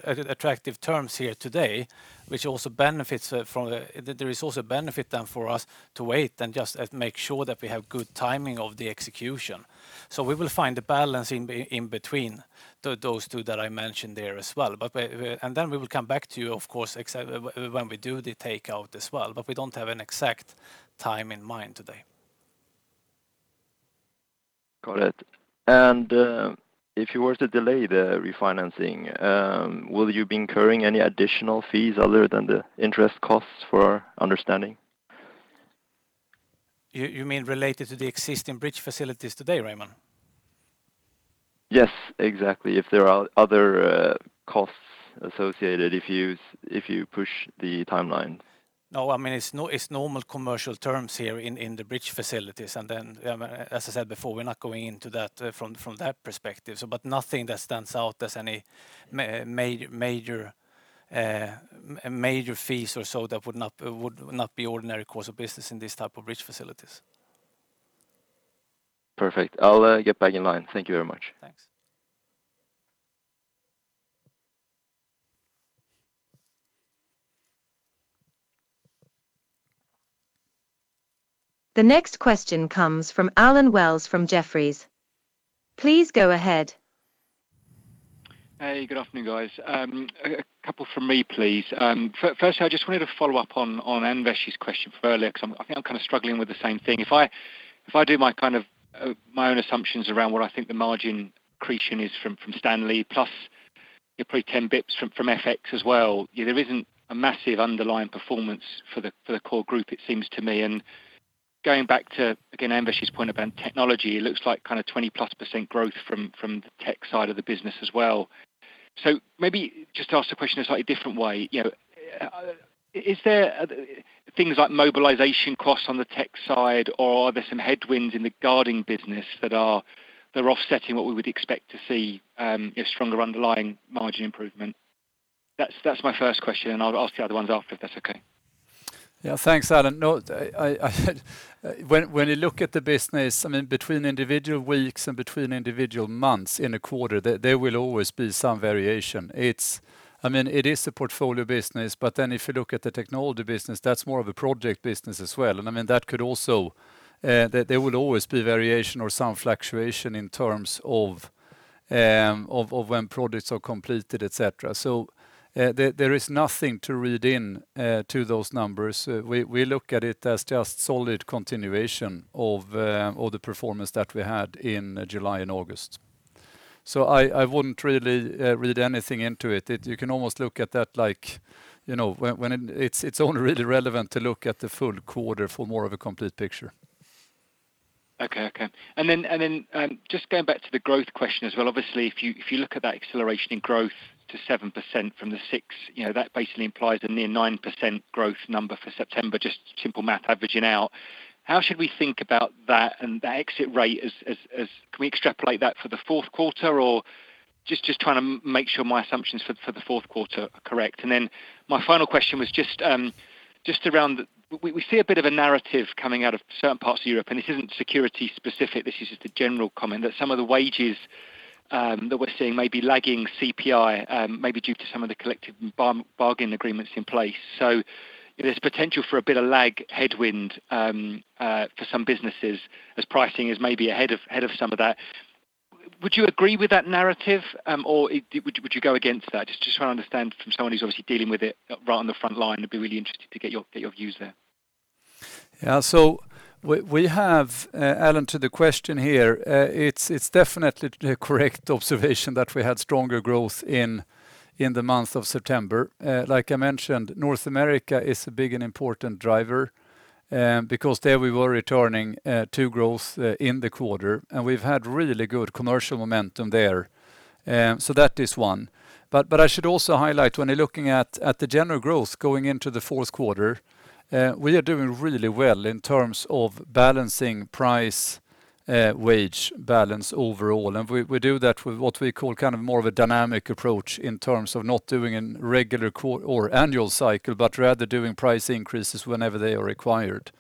attractive terms here today. There is also benefit then for us to wait and just make sure that we have good timing of the execution. We will find the balance in between those two that I mentioned there as well. We will come back to you, of course, when we do the takeout as well, but we don't have an exact time in mind today. Got it. If you were to delay the refinancing, will you be incurring any additional fees other than the interest costs for our understanding? You mean related to the existing bridge facilities today, Raymond? Yes, exactly. If there are other costs associated, if you push the timeline. No, I mean, it's normal commercial terms here in the bridge facilities. Then, I mean, as I said before, we're not going into that from that perspective, so but nothing that stands out as any major fees or so that would not be ordinary course of business in this type of bridge facilities. Perfect. I'll get back in line. Thank you very much. Thanks. The next question comes from Allen Wells from Jefferies. Please go ahead. Hey, good afternoon, guys. A couple from me, please. Firstly, I just wanted to follow up on Anvesh's question from earlier because I think I'm kind of struggling with the same thing. If I do my kind of my own assumptions around what I think the margin accretion is from Stanley plus you're probably 10 basis points from FX as well, there isn't a massive underlying performance for the core group, it seems to me. Going back to again, Anvesh's point about technology, it looks like 20%+ growth from the tech side of the business as well. Maybe just ask the question a slightly different way. You know, is there things like mobilization costs on the tech side or are there some headwinds in the guarding business that are offsetting what we would expect to see, if stronger underlying margin improvement? That's my first question, and I'll ask the other ones after, if that's okay. Yeah. Thanks, Alan. No, when you look at the business, I mean, between individual weeks and between individual months in a quarter, there will always be some variation. It's, I mean, it is a portfolio business, but then if you look at the technology business, that's more of a project business as well. I mean, that could also, there will always be variation or some fluctuation in terms of when projects are completed, et cetera. There is nothing to read in, to those numbers. We look at it as just solid continuation of the performance that we had in July and August. I wouldn't really read anything into it. You can almost look at that like, you know, when it's only really relevant to look at the full quarter for more of a complete picture. Just going back to the growth question as well. Obviously, if you look at that acceleration in growth to 7% from the 6%, you know, that basically implies a near 9% growth number for September, just simple math averaging out. How should we think about that and that exit rate? Can we extrapolate that for the fourth quarter? Or just trying to make sure my assumptions for the fourth quarter are correct. My final question was just around we see a bit of a narrative coming out of certain parts of Europe, and this isn't security specific, this is just a general comment, that some of the wages that we're seeing may be lagging CPI, may be due to some of the collective bargaining agreements in place. If there's potential for a bit of lag headwind, for some businesses as pricing is maybe ahead of some of that. Would you agree with that narrative, or would you go against that? Just trying to understand from someone who's obviously dealing with it right on the front line, it'd be really interesting to get your views there. Yeah. We have, Alan, to the question here. It's definitely the correct observation that we had stronger growth in the month of September. Like I mentioned, North America is a big and important driver because there we were returning to growth in the quarter, and we've had really good commercial momentum there. That is one. I should also highlight when you're looking at the general growth going into the fourth quarter. We are doing really well in terms of balancing price-wage balance overall. We do that with what we call kind of more of a dynamic approach in terms of not doing a regular quarterly or annual cycle, but rather doing price increases whenever they are required.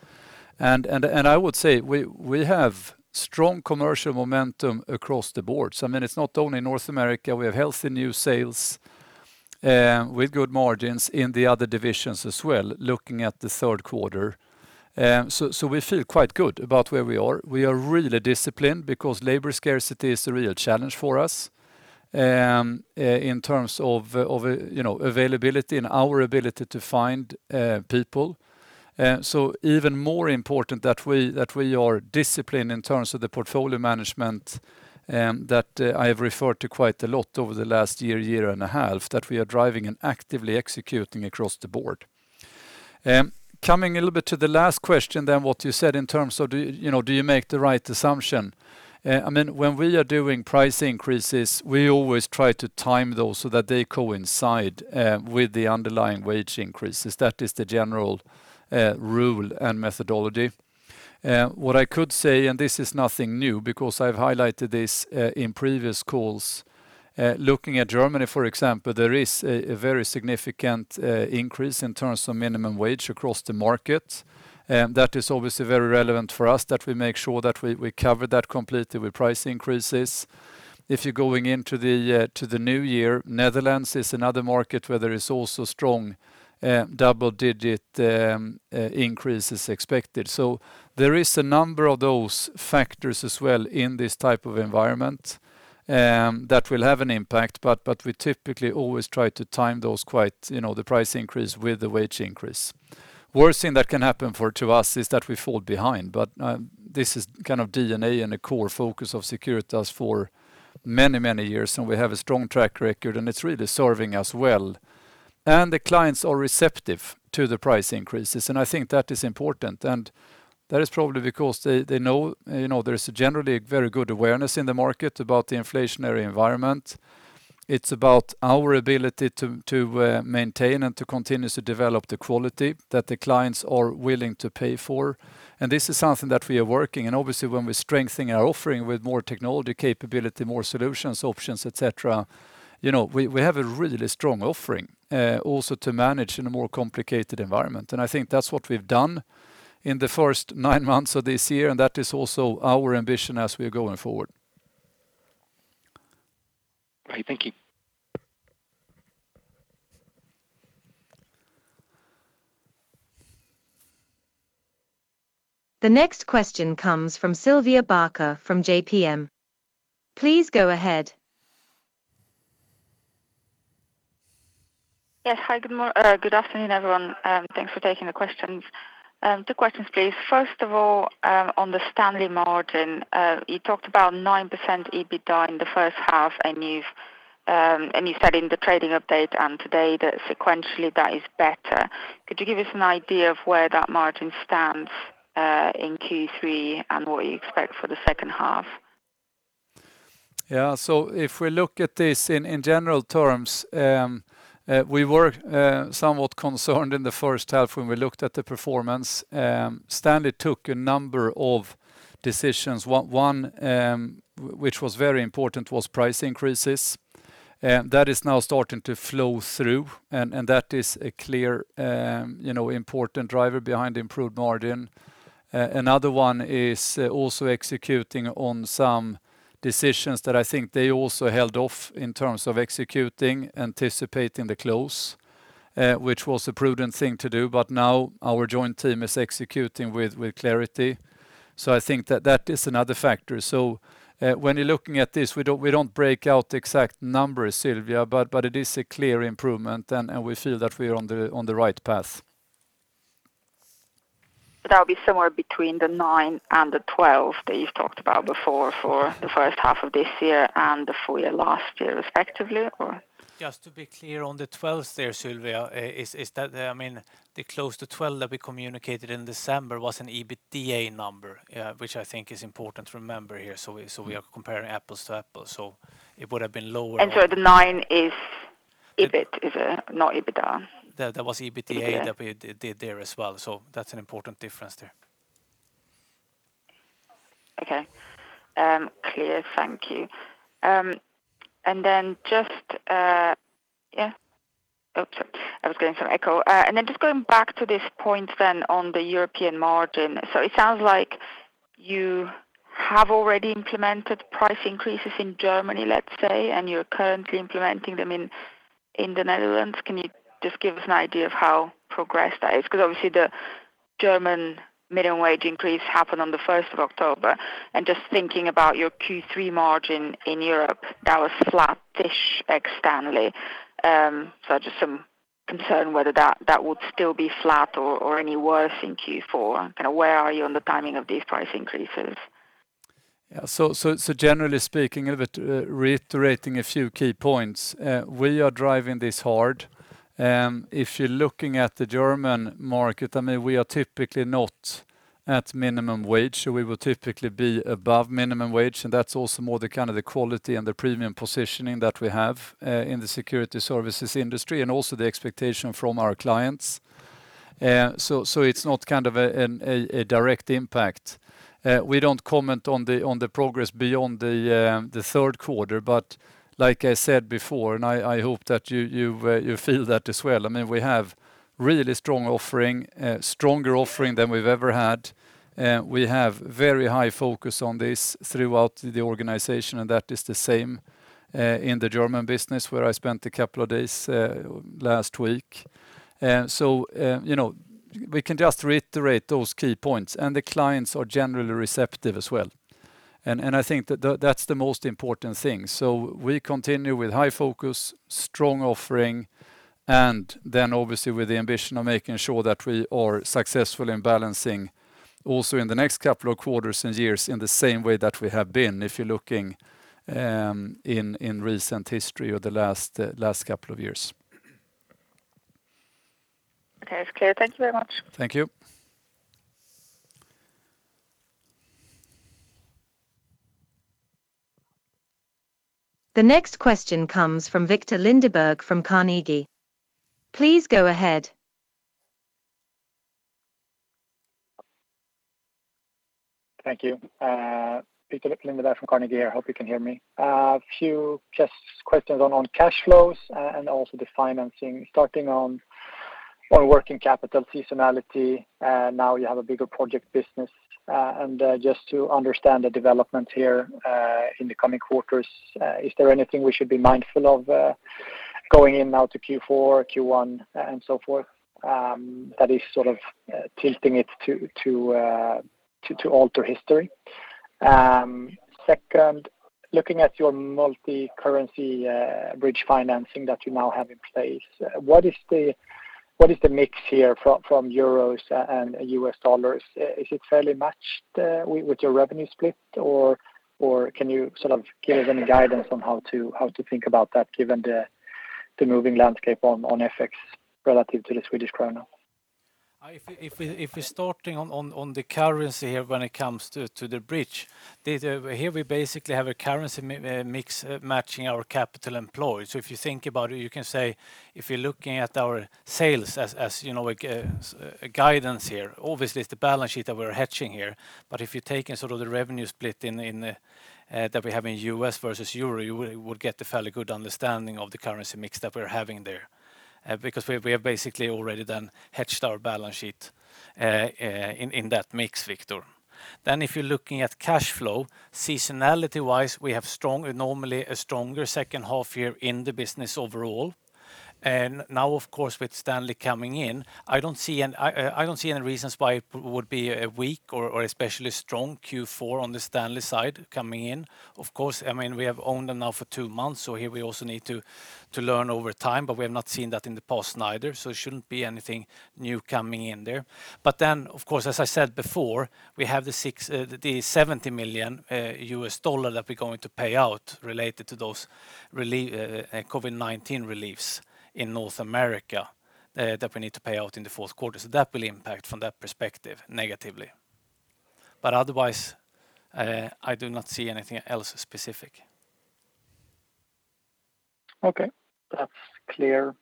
I would say we have strong commercial momentum across the board. I mean, it's not only North America. We have healthy new sales with good margins in the other divisions as well, looking at the third quarter. We feel quite good about where we are. We are really disciplined because labor scarcity is a real challenge for us in terms of you know, availability and our ability to find people. Even more important that we are disciplined in terms of the portfolio management that I have referred to quite a lot over the last year and a half, that we are driving and actively executing across the board. Coming a little bit to the last question then what you said in terms of do you know, do you make the right assumption? I mean, when we are doing price increases, we always try to time those so that they coincide with the underlying wage increases. That is the general rule and methodology. What I could say, and this is nothing new because I've highlighted this in previous calls. Looking at Germany, for example, there is a very significant increase in terms of minimum wage across the market. That is obviously very relevant for us, that we make sure that we cover that completely with price increases. If you're going into the new year, Netherlands is another market where there is also strong double-digit increases expected. There is a number of those factors as well in this type of environment that will have an impact, but we typically always try to time those quite, you know, the price increase with the wage increase. Worst thing that can happen to us is that we fall behind. This is kind of DNA and a core focus of Securitas for many years, and we have a strong track record, and it's really serving us well. The clients are receptive to the price increases, and I think that is important. That is probably because they know, you know, there's generally a very good awareness in the market about the inflationary environment. It's about our ability to maintain and to continue to develop the quality that the clients are willing to pay for. This is something that we are working, and obviously, when we're strengthening our offering with more technology capability, more solutions, options, et cetera, you know, we have a really strong offering also to manage in a more complicated environment. I think that's what we've done in the first nine months of this year, and that is also our ambition as we are going forward. Great. Thank you. The next question comes from Sylvia Barker from JPMorgan. Please go ahead. Yes. Hi, good afternoon, everyone. Thanks for taking the questions. Two questions, please. First of all, on the Stanley margin, you talked about 9% EBITDA in the first half, and you said in the trading update and today that sequentially that is better. Could you give us an idea of where that margin stands, in Q3 and what you expect for the second half? Yeah. If we look at this in general terms, we were somewhat concerned in the first half when we looked at the performance. Stanley took a number of decisions. One, which was very important, was price increases. That is now starting to flow through, and that is a clear, you know, important driver behind improved margin. Another one is also executing on some decisions that I think they also held off in terms of executing, anticipating the close, which was a prudent thing to do. Now our joint team is executing with clarity. I think that is another factor. when you're looking at this, we don't break out exact numbers, Sylvia, but it is a clear improvement and we feel that we're on the right path. That would be somewhere between 9% and 12% that you've talked about before for the first half of this year and the full year last year respectively or? Just to be clear on the 12s there, Sylvia, is that, I mean, the close to 12 that we communicated in December was an EBITDA number, which I think is important to remember here. We are comparing apples to apples, so it would have been lower. The 9 is EBIT, not EBITDA. That was EBITDA that we did there as well. That's an important difference there. Okay. Clear. Thank you. Just going back to this point on the European margin. It sounds like you have already implemented price increases in Germany, let's say, and you're currently implementing them in the Netherlands. Can you just give us an idea of how progressed that is? Because obviously the German minimum wage increase happened on the first of October. Just thinking about your Q3 margin in Europe, that was flattish ex-Stanley. Just some concern whether that would still be flat or any worse in Q4. Kind of where are you on the timing of these price increases? Yeah. Generally speaking, a bit, reiterating a few key points. We are driving this hard. If you're looking at the German market, I mean, we are typically not at minimum wage. We will typically be above minimum wage, and that's also more the kind of quality and the premium positioning that we have in the security services industry and also the expectation from our clients. It's not kind of a direct impact. We don't comment on the progress beyond the third quarter. Like I said before, I hope that you feel that as well, I mean, we have really strong offering, stronger offering than we've ever had. We have very high focus on this throughout the organization, and that is the same in the German business where I spent a couple of days last week. You know, we can just reiterate those key points, and the clients are generally receptive as well. I think that that's the most important thing. We continue with high focus, strong offering, and then obviously with the ambition of making sure that we are successful in balancing also in the next couple of quarters and years in the same way that we have been, if you're looking in recent history or the last couple of years. Okay. It's clear. Thank you very much. Thank you. The next question comes from Viktor Lindeberg from Carnegie. Please go ahead. Thank you. Viktor Lindeberg from Carnegie here. Hope you can hear me. A few just questions on cash flows and also the financing. Starting on working capital seasonality, now you have a bigger project business. And just to understand the development here in the coming quarters, is there anything we should be mindful of going in now to Q4, Q1, and so forth, that is sort of tilting it to alter history? Second, looking at your multicurrency bridge financing that you now have in place, what is the mix here from euros and US dollars? Is it fairly matched with your revenue split, or can you sort of give any guidance on how to think about that given the moving landscape on FX relative to the Swedish krona? If we're starting on the currency here when it comes to the bridge, here we basically have a currency mix matching our capital employed. If you think about it, you can say if you're looking at our sales as, you know, a guidance here, obviously it's the balance sheet that we're hedging here. If you take a sort of the revenue split that we have in U.S. versus euro, you would get a fairly good understanding of the currency mix that we're having there. Because we have basically already then hedged our balance sheet in that mix, Viktor. If you're looking at cash flow, seasonality-wise, we have normally a stronger second half year in the business overall. Now, of course, with Stanley coming in, I don't see any reasons why it would be a weak or especially strong Q4 on the Stanley side coming in. Of course, I mean, we have owned them now for two months, so here we also need to learn over time, but we have not seen that in the past neither, so it shouldn't be anything new coming in there. Then, of course, as I said before, we have the $67 million that we're going to pay out related to those COVID-19 reliefs in North America. That we need to pay out in the fourth quarter. That will impact from that perspective negatively. Otherwise, I do not see anything else specific. Okay. That's clear.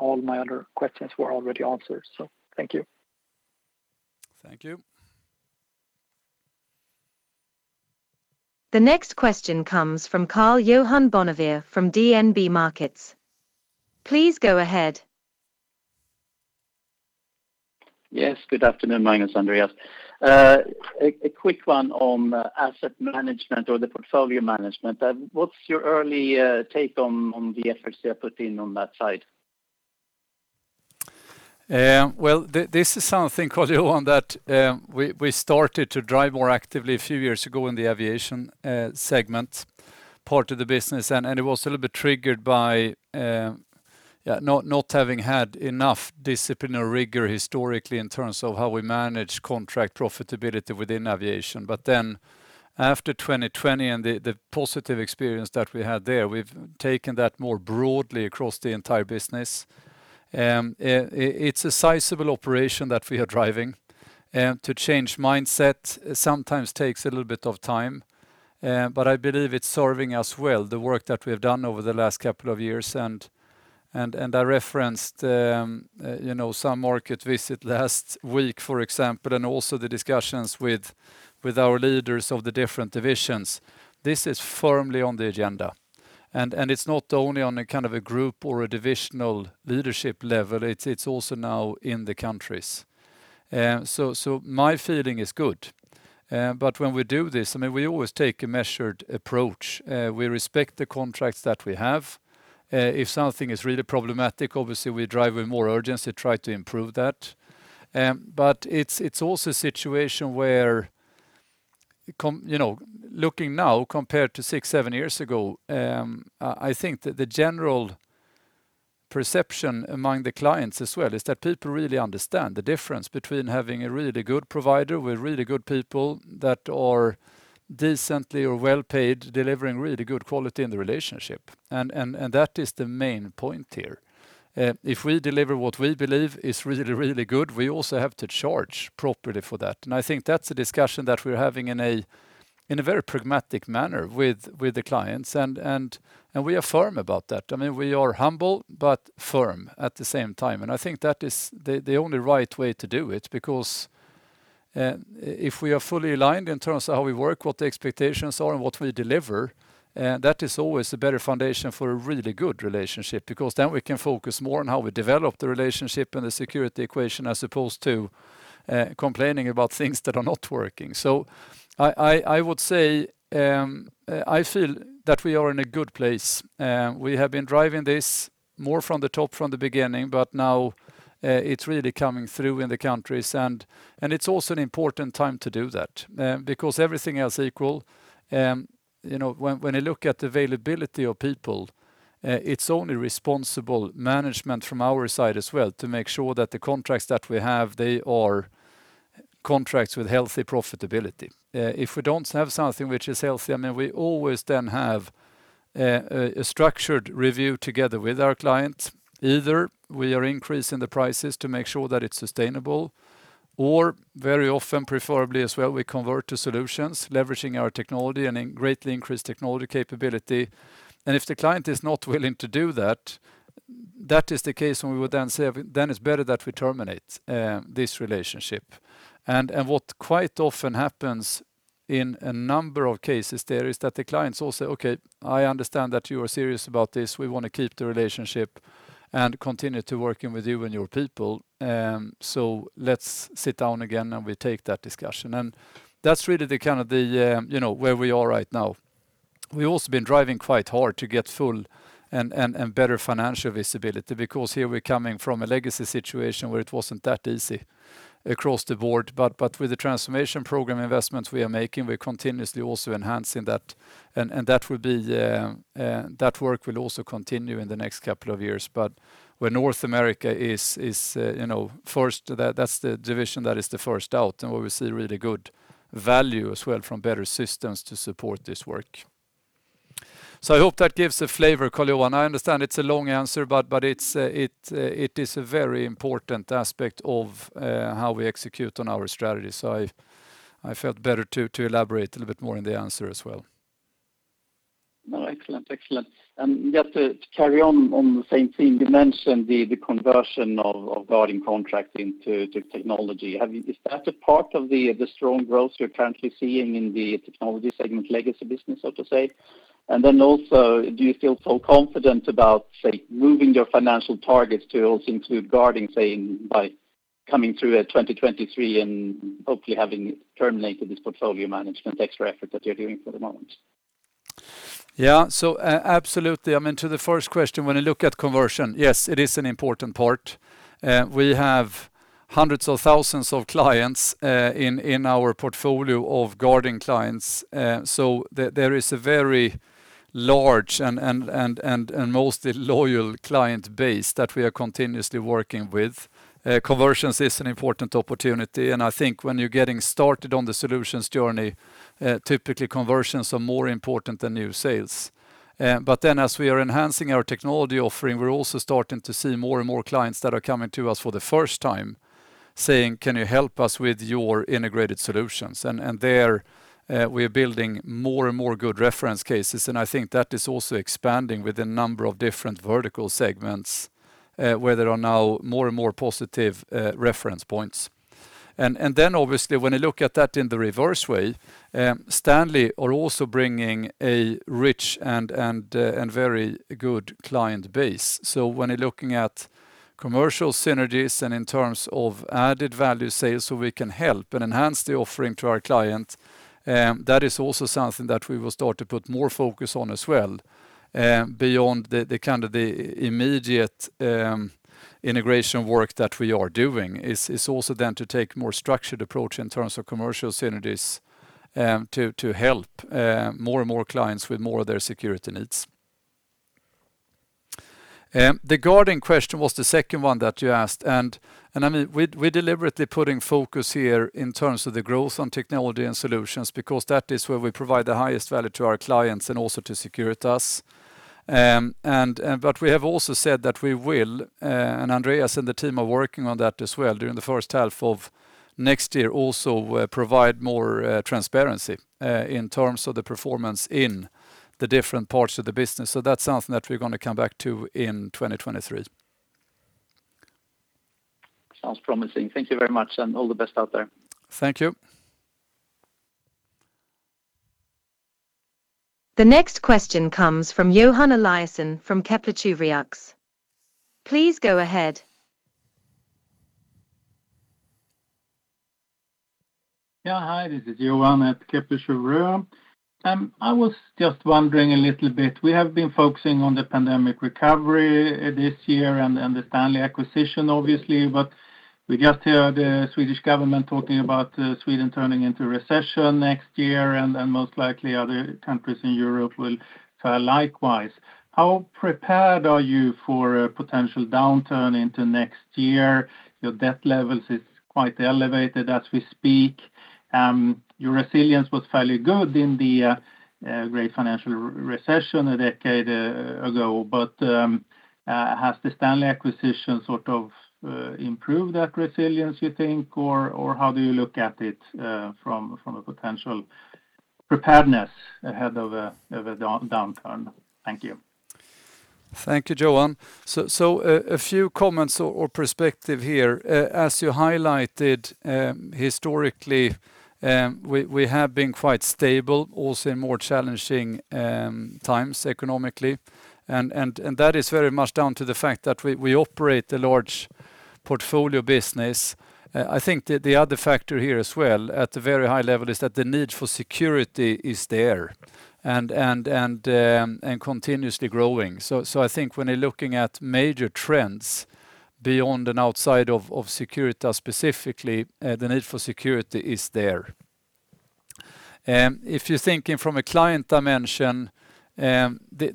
All my other questions were already answered, so thank you. Thank you. The next question comes from Karl-Johan Bonnevier from DNB Markets. Please go ahead. Yes, good afternoon, Magnus and Andreas. A quick one on asset management or the portfolio management. What's your early take on the efforts you have put in on that side? Well, this is something, Karl-Johan Bonnevier, that we started to drive more actively a few years ago in the aviation segment part of the business. It was a little bit triggered by yeah, not having had enough discipline or rigor historically in terms of how we manage contract profitability within aviation. After 2020 and the positive experience that we had there, we've taken that more broadly across the entire business. It's a sizable operation that we are driving. To change mindset sometimes takes a little bit of time, but I believe it's serving us well, the work that we have done over the last couple of years. I referenced you know some market visit last week, for example, and also the discussions with our leaders of the different divisions. This is firmly on the agenda. It's not only on a kind of a group or a divisional leadership level, it's also now in the countries. My feeling is good. When we do this, I mean, we always take a measured approach. We respect the contracts that we have. If something is really problematic, obviously we drive with more urgency to try to improve that. You know, looking now compared to six, seven years ago, I think that the general perception among the clients as well is that people really understand the difference between having a really good provider with really good people that are decently or well-paid, delivering really good quality in the relationship. That is the main point here. If we deliver what we believe is really, really good, we also have to charge appropriately for that. I think that's a discussion that we're having in a very pragmatic manner with the clients. We are firm about that. I mean, we are humble, but firm at the same time. I think that is the only right way to do it, because if we are fully aligned in terms of how we work, what the expectations are, and what we deliver, that is always a better foundation for a really good relationship. Then we can focus more on how we develop the relationship and the security equation, as opposed to complaining about things that are not working. I would say I feel that we are in a good place. We have been driving this more from the top from the beginning, but now it's really coming through in the countries. It's also an important time to do that, because everything else equal, you know, when you look at the availability of people, it's only responsible management from our side as well to make sure that the contracts that we have, they are contracts with healthy profitability. If we don't have something which is healthy, I mean, we always then have a structured review together with our client. Either we are increasing the prices to make sure that it's sustainable, or very often, preferably as well, we convert to solutions, leveraging our technology and a greatly increased technology capability. If the client is not willing to do that is the case when we would then say, "Then it's better that we terminate this relationship." What quite often happens in a number of cases there is that the clients all say, "Okay, I understand that you are serious about this. We want to keep the relationship and continue to working with you and your people. So let's sit down again, and we take that discussion." That's really the kind of the You know where we are right now. We've also been driving quite hard to get full and better financial visibility because here we're coming from a legacy situation where it wasn't that easy across the board. With the transformation program investments we are making, we're continuously also enhancing that, and that will be. That work will also continue in the next couple of years. Where North America is, you know, first, that's the division that is the first out, and where we see really good value as well from better systems to support this work. I hope that gives a flavor, Karl-Johan Bonnevier. I understand it's a long answer, but it's a very important aspect of how we execute on our strategy. I felt better to elaborate a little bit more in the answer as well. No, excellent. Excellent. Just to carry on the same theme, you mentioned the conversion of guarding contract into technology. Is that a part of the strong growth you're currently seeing in the technology segment legacy business, so to say? Then also, do you feel so confident about, say, moving your financial targets to also include guarding, saying by coming through 2023 and hopefully having terminated this portfolio management extra effort that you're doing for the moment? Absolutely. I mean, to the first question, when you look at conversion, yes, it is an important part. We have hundreds of thousands of clients in our portfolio of guarding clients. There is a very large and mostly loyal client base that we are continuously working with. Conversions is an important opportunity, and I think when you're getting started on the solutions journey, typically conversions are more important than new sales. As we are enhancing our technology offering, we're also starting to see more and more clients that are coming to us for the first time saying, "Can you help us with your integrated solutions?" We're building more and more good reference cases, and I think that is also expanding with a number of different vertical segments, where there are now more and more positive reference points. Obviously when you look at that in the reverse way, Stanley are also bringing a rich and very good client base. When you're looking at commercial synergies and in terms of added value sales so we can help and enhance the offering to our client, that is also something that we will start to put more focus on as well, beyond the kind of immediate integration work that we are doing, it is also then to take more structured approach in terms of commercial synergies, to help more and more clients with more of their security needs. The guarding question was the second one that you asked, and I mean, we're deliberately putting focus here in terms of the growth on technology and solutions because that is where we provide the highest value to our clients and also to Securitas. We have also said that we will and Andreas and the team are working on that as well during the first half of next year, also provide more transparency in terms of the performance in the different parts of the business. That's something that we're gonna come back to in 2023. Sounds promising. Thank you very much, and all the best out there. Thank you. The next question comes from Johan Eliason from Kepler Cheuvreux. Please go ahead. Yeah. Hi, this is Johan at Kepler Cheuvreux. I was just wondering a little bit. We have been focusing on the pandemic recovery this year and the Stanley acquisition obviously. We just hear the Swedish government talking about Sweden turning into recession next year and most likely other countries in Europe will fare likewise. How prepared are you for a potential downturn into next year? Your debt levels is quite elevated as we speak. Your resilience was fairly good in the great financial recession a decade ago. Has the Stanley acquisition sort of improved that resilience you think? How do you look at it from a potential preparedness ahead of a downturn? Thank you. Thank you, Johan. A few comments or perspective here. As you highlighted, we have been quite stable also in more challenging times economically. That is very much down to the fact that we operate a large portfolio business. I think the other factor here as well at a very high level is that the need for security is there and continuously growing. I think when you're looking at major trends beyond and outside of Securitas specifically, the need for security is there. If you're thinking from a client dimension,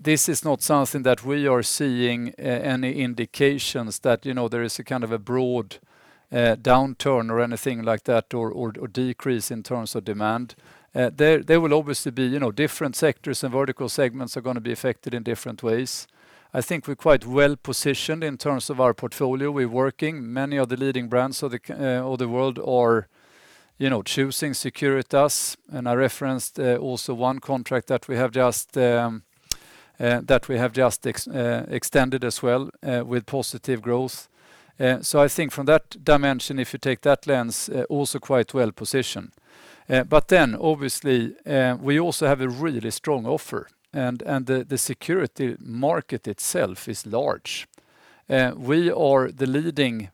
this is not something that we are seeing any indications that, you know, there is a kind of a broad downturn or anything like that or decrease in terms of demand. There will obviously be, you know, different sectors and vertical segments are gonna be affected in different ways. I think we're quite well-positioned in terms of our portfolio. We're working with many of the leading brands of the world are, you know, choosing Securitas, and I referenced also one contract that we have just extended as well with positive growth. I think from that dimension, if you take that lens, also quite well-positioned. Obviously, we also have a really strong offer and the security market itself is large. We are now the leading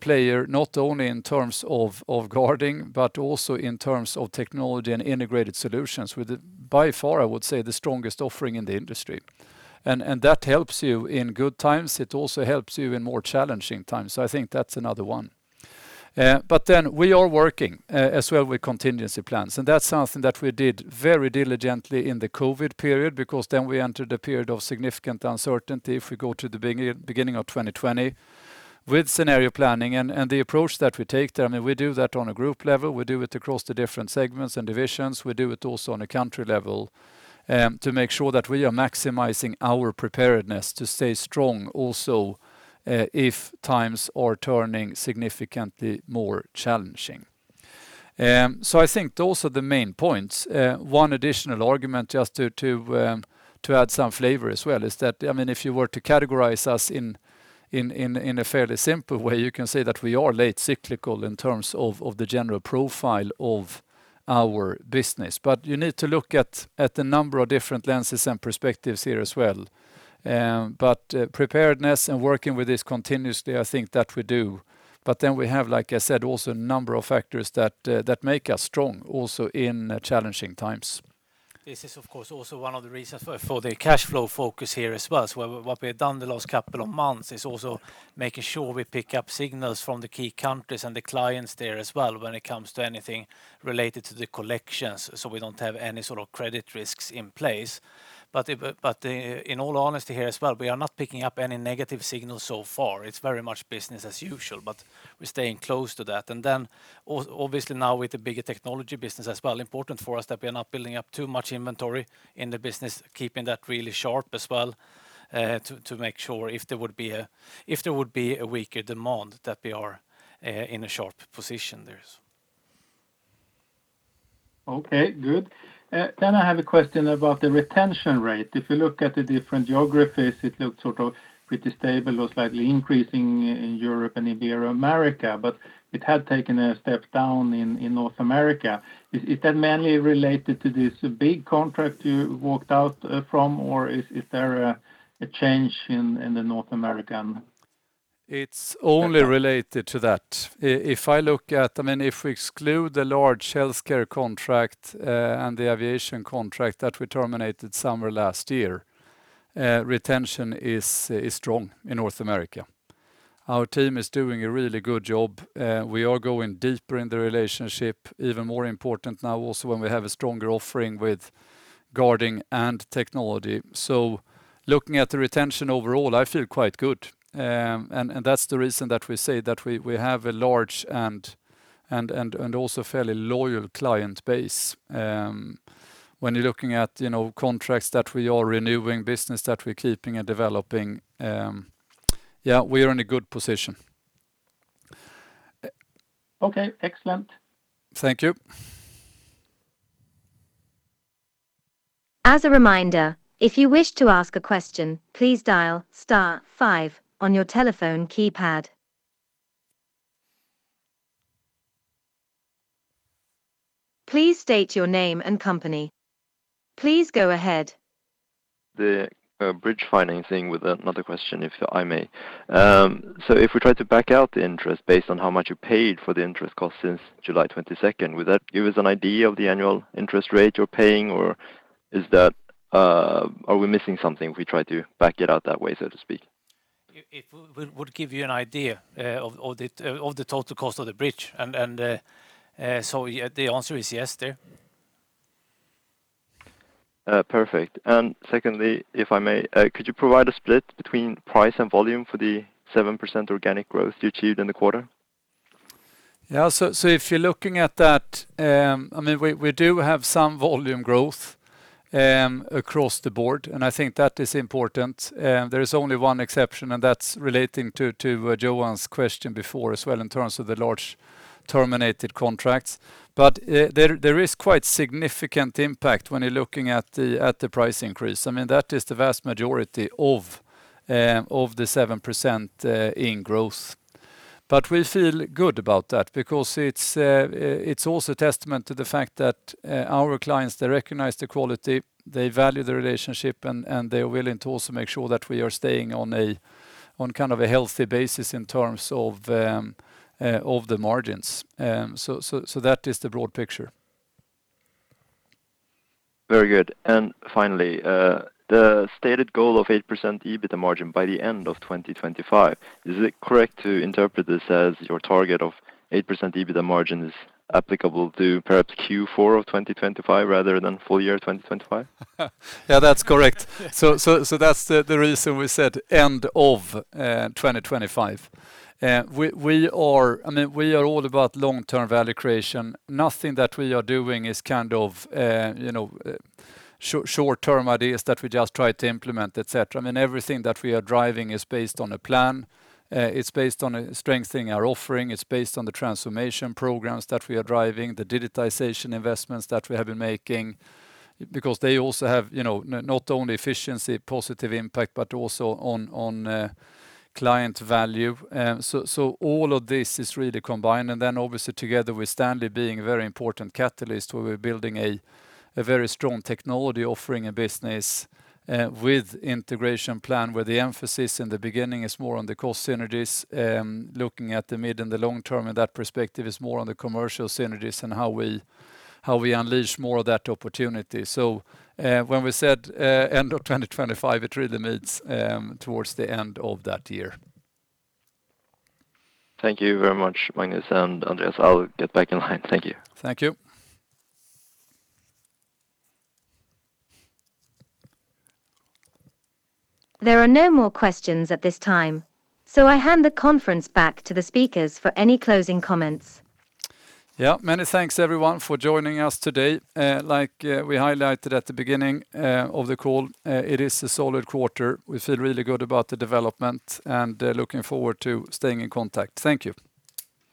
player, not only in terms of guarding, but also in terms of technology and integrated solutions with by far, I would say, the strongest offering in the industry. That helps you in good times. It also helps you in more challenging times. I think that's another one. We are working as well with contingency plans, and that's something that we did very diligently in the COVID period because then we entered a period of significant uncertainty if we go to the beginning of 2020 with scenario planning. The approach that we take there, I mean, we do that on a group level. We do it across the different segments and divisions. We do it also on a country level to make sure that we are maximizing our preparedness to stay strong also if times are turning significantly more challenging. I think those are the main points. One additional argument just to add some flavor as well is that, I mean, if you were to categorize us in a fairly simple way, you can say that we are late cyclical in terms of the general profile of our business. You need to look at the number of different lenses and perspectives here as well. Preparedness and working with this continuously, I think that we do. We have, like I said, also a number of factors that make us strong also in challenging times. This is of course also one of the reasons for the cash flow focus here as well. What we have done the last couple of months is also making sure we pick up signals from the key countries and the clients there as well when it comes to anything related to the collections, so we don't have any sort of credit risks in place. But in all honesty here as well, we are not picking up any negative signals so far. It's very much business as usual, but we're staying close to that. Also obviously now with the bigger technology business as well, important for us that we are not building up too much inventory in the business, keeping that really sharp as well, to make sure if there would be a weaker demand that we are in a sharp position there. Okay, good. I have a question about the retention rate. If you look at the different geographies, it looks sort of pretty stable or slightly increasing in Europe and Ibero-America, but it had taken a step down in North America. Is that mainly related to this big contract you walked out from, or is there a change in the North American sector? It's only related to that. If I look at, I mean, if we exclude the large healthcare contract and the aviation contract that we terminated summer last year, retention is strong in North America. Our team is doing a really good job. We are going deeper in the relationship, even more important now also when we have a stronger offering with guarding and technology. Looking at the retention overall, I feel quite good. And that's the reason that we say that we have a large and also fairly loyal client base. When you're looking at, you know, contracts that we are renewing, business that we're keeping and developing, we are in a good position. Okay, excellent. Thank you. As a reminder, if you wish to ask a question, please dial star 5 on your telephone keypad. Please state your name and company. Please go ahead. Bridge financing thing with another question, if I may. If we try to back out the interest based on how much you paid for the interest cost since July twenty-second, would that give us an idea of the annual interest rate you're paying, or is that? Are we missing something if we try to back it out that way, so to speak? It would give you an idea of the total cost of the bridge. The answer is yes there. Perfect. Secondly, if I may, could you provide a split between price and volume for the 7% organic growth you achieved in the quarter? Yeah. If you're looking at that, I mean, we do have some volume growth across the board, and I think that is important. There is only one exception, and that's relating to Johan's question before as well in terms of the large terminated contracts. There is quite significant impact when you're looking at the price increase. I mean, that is the vast majority of the 7% in growth. We feel good about that because it's also a testament to the fact that our clients they recognize the quality, they value the relationship, and they are willing to also make sure that we are staying on kind of a healthy basis in terms of the margins. That is the broad picture. Very good. Finally, the stated goal of 8% EBITDA margin by the end of 2025, is it correct to interpret this as your target of 8% EBITDA margin is applicable to perhaps Q4 of 2025 rather than full year 2025? Yeah, that's correct. That's the reason we said end of 2025. I mean, we are all about long-term value creation. Nothing that we are doing is kind of, you know, short-term ideas that we just try to implement, et cetera. I mean, everything that we are driving is based on a plan. It's based on strengthening our offering. It's based on the transformation programs that we are driving, the digitization investments that we have been making, because they also have, you know, not only efficiency, positive impact, but also on client value. All of this is really combined. Obviously together with Stanley being a very important catalyst, we're building a very strong technology offering and business with integration plan, where the emphasis in the beginning is more on the cost synergies, looking at the mid and the long term, and that perspective is more on the commercial synergies and how we unleash more of that opportunity. When we said end of 2025, it really means towards the end of that year. Thank you very much, Magnus and Andreas. I'll get back in line. Thank you. Thank you. There are no more questions at this time, so I hand the conference back to the speakers for any closing comments. Yeah. Many thanks, everyone, for joining us today. Like, we highlighted at the beginning of the call, it is a solid quarter. We feel really good about the development and looking forward to staying in contact. Thank you.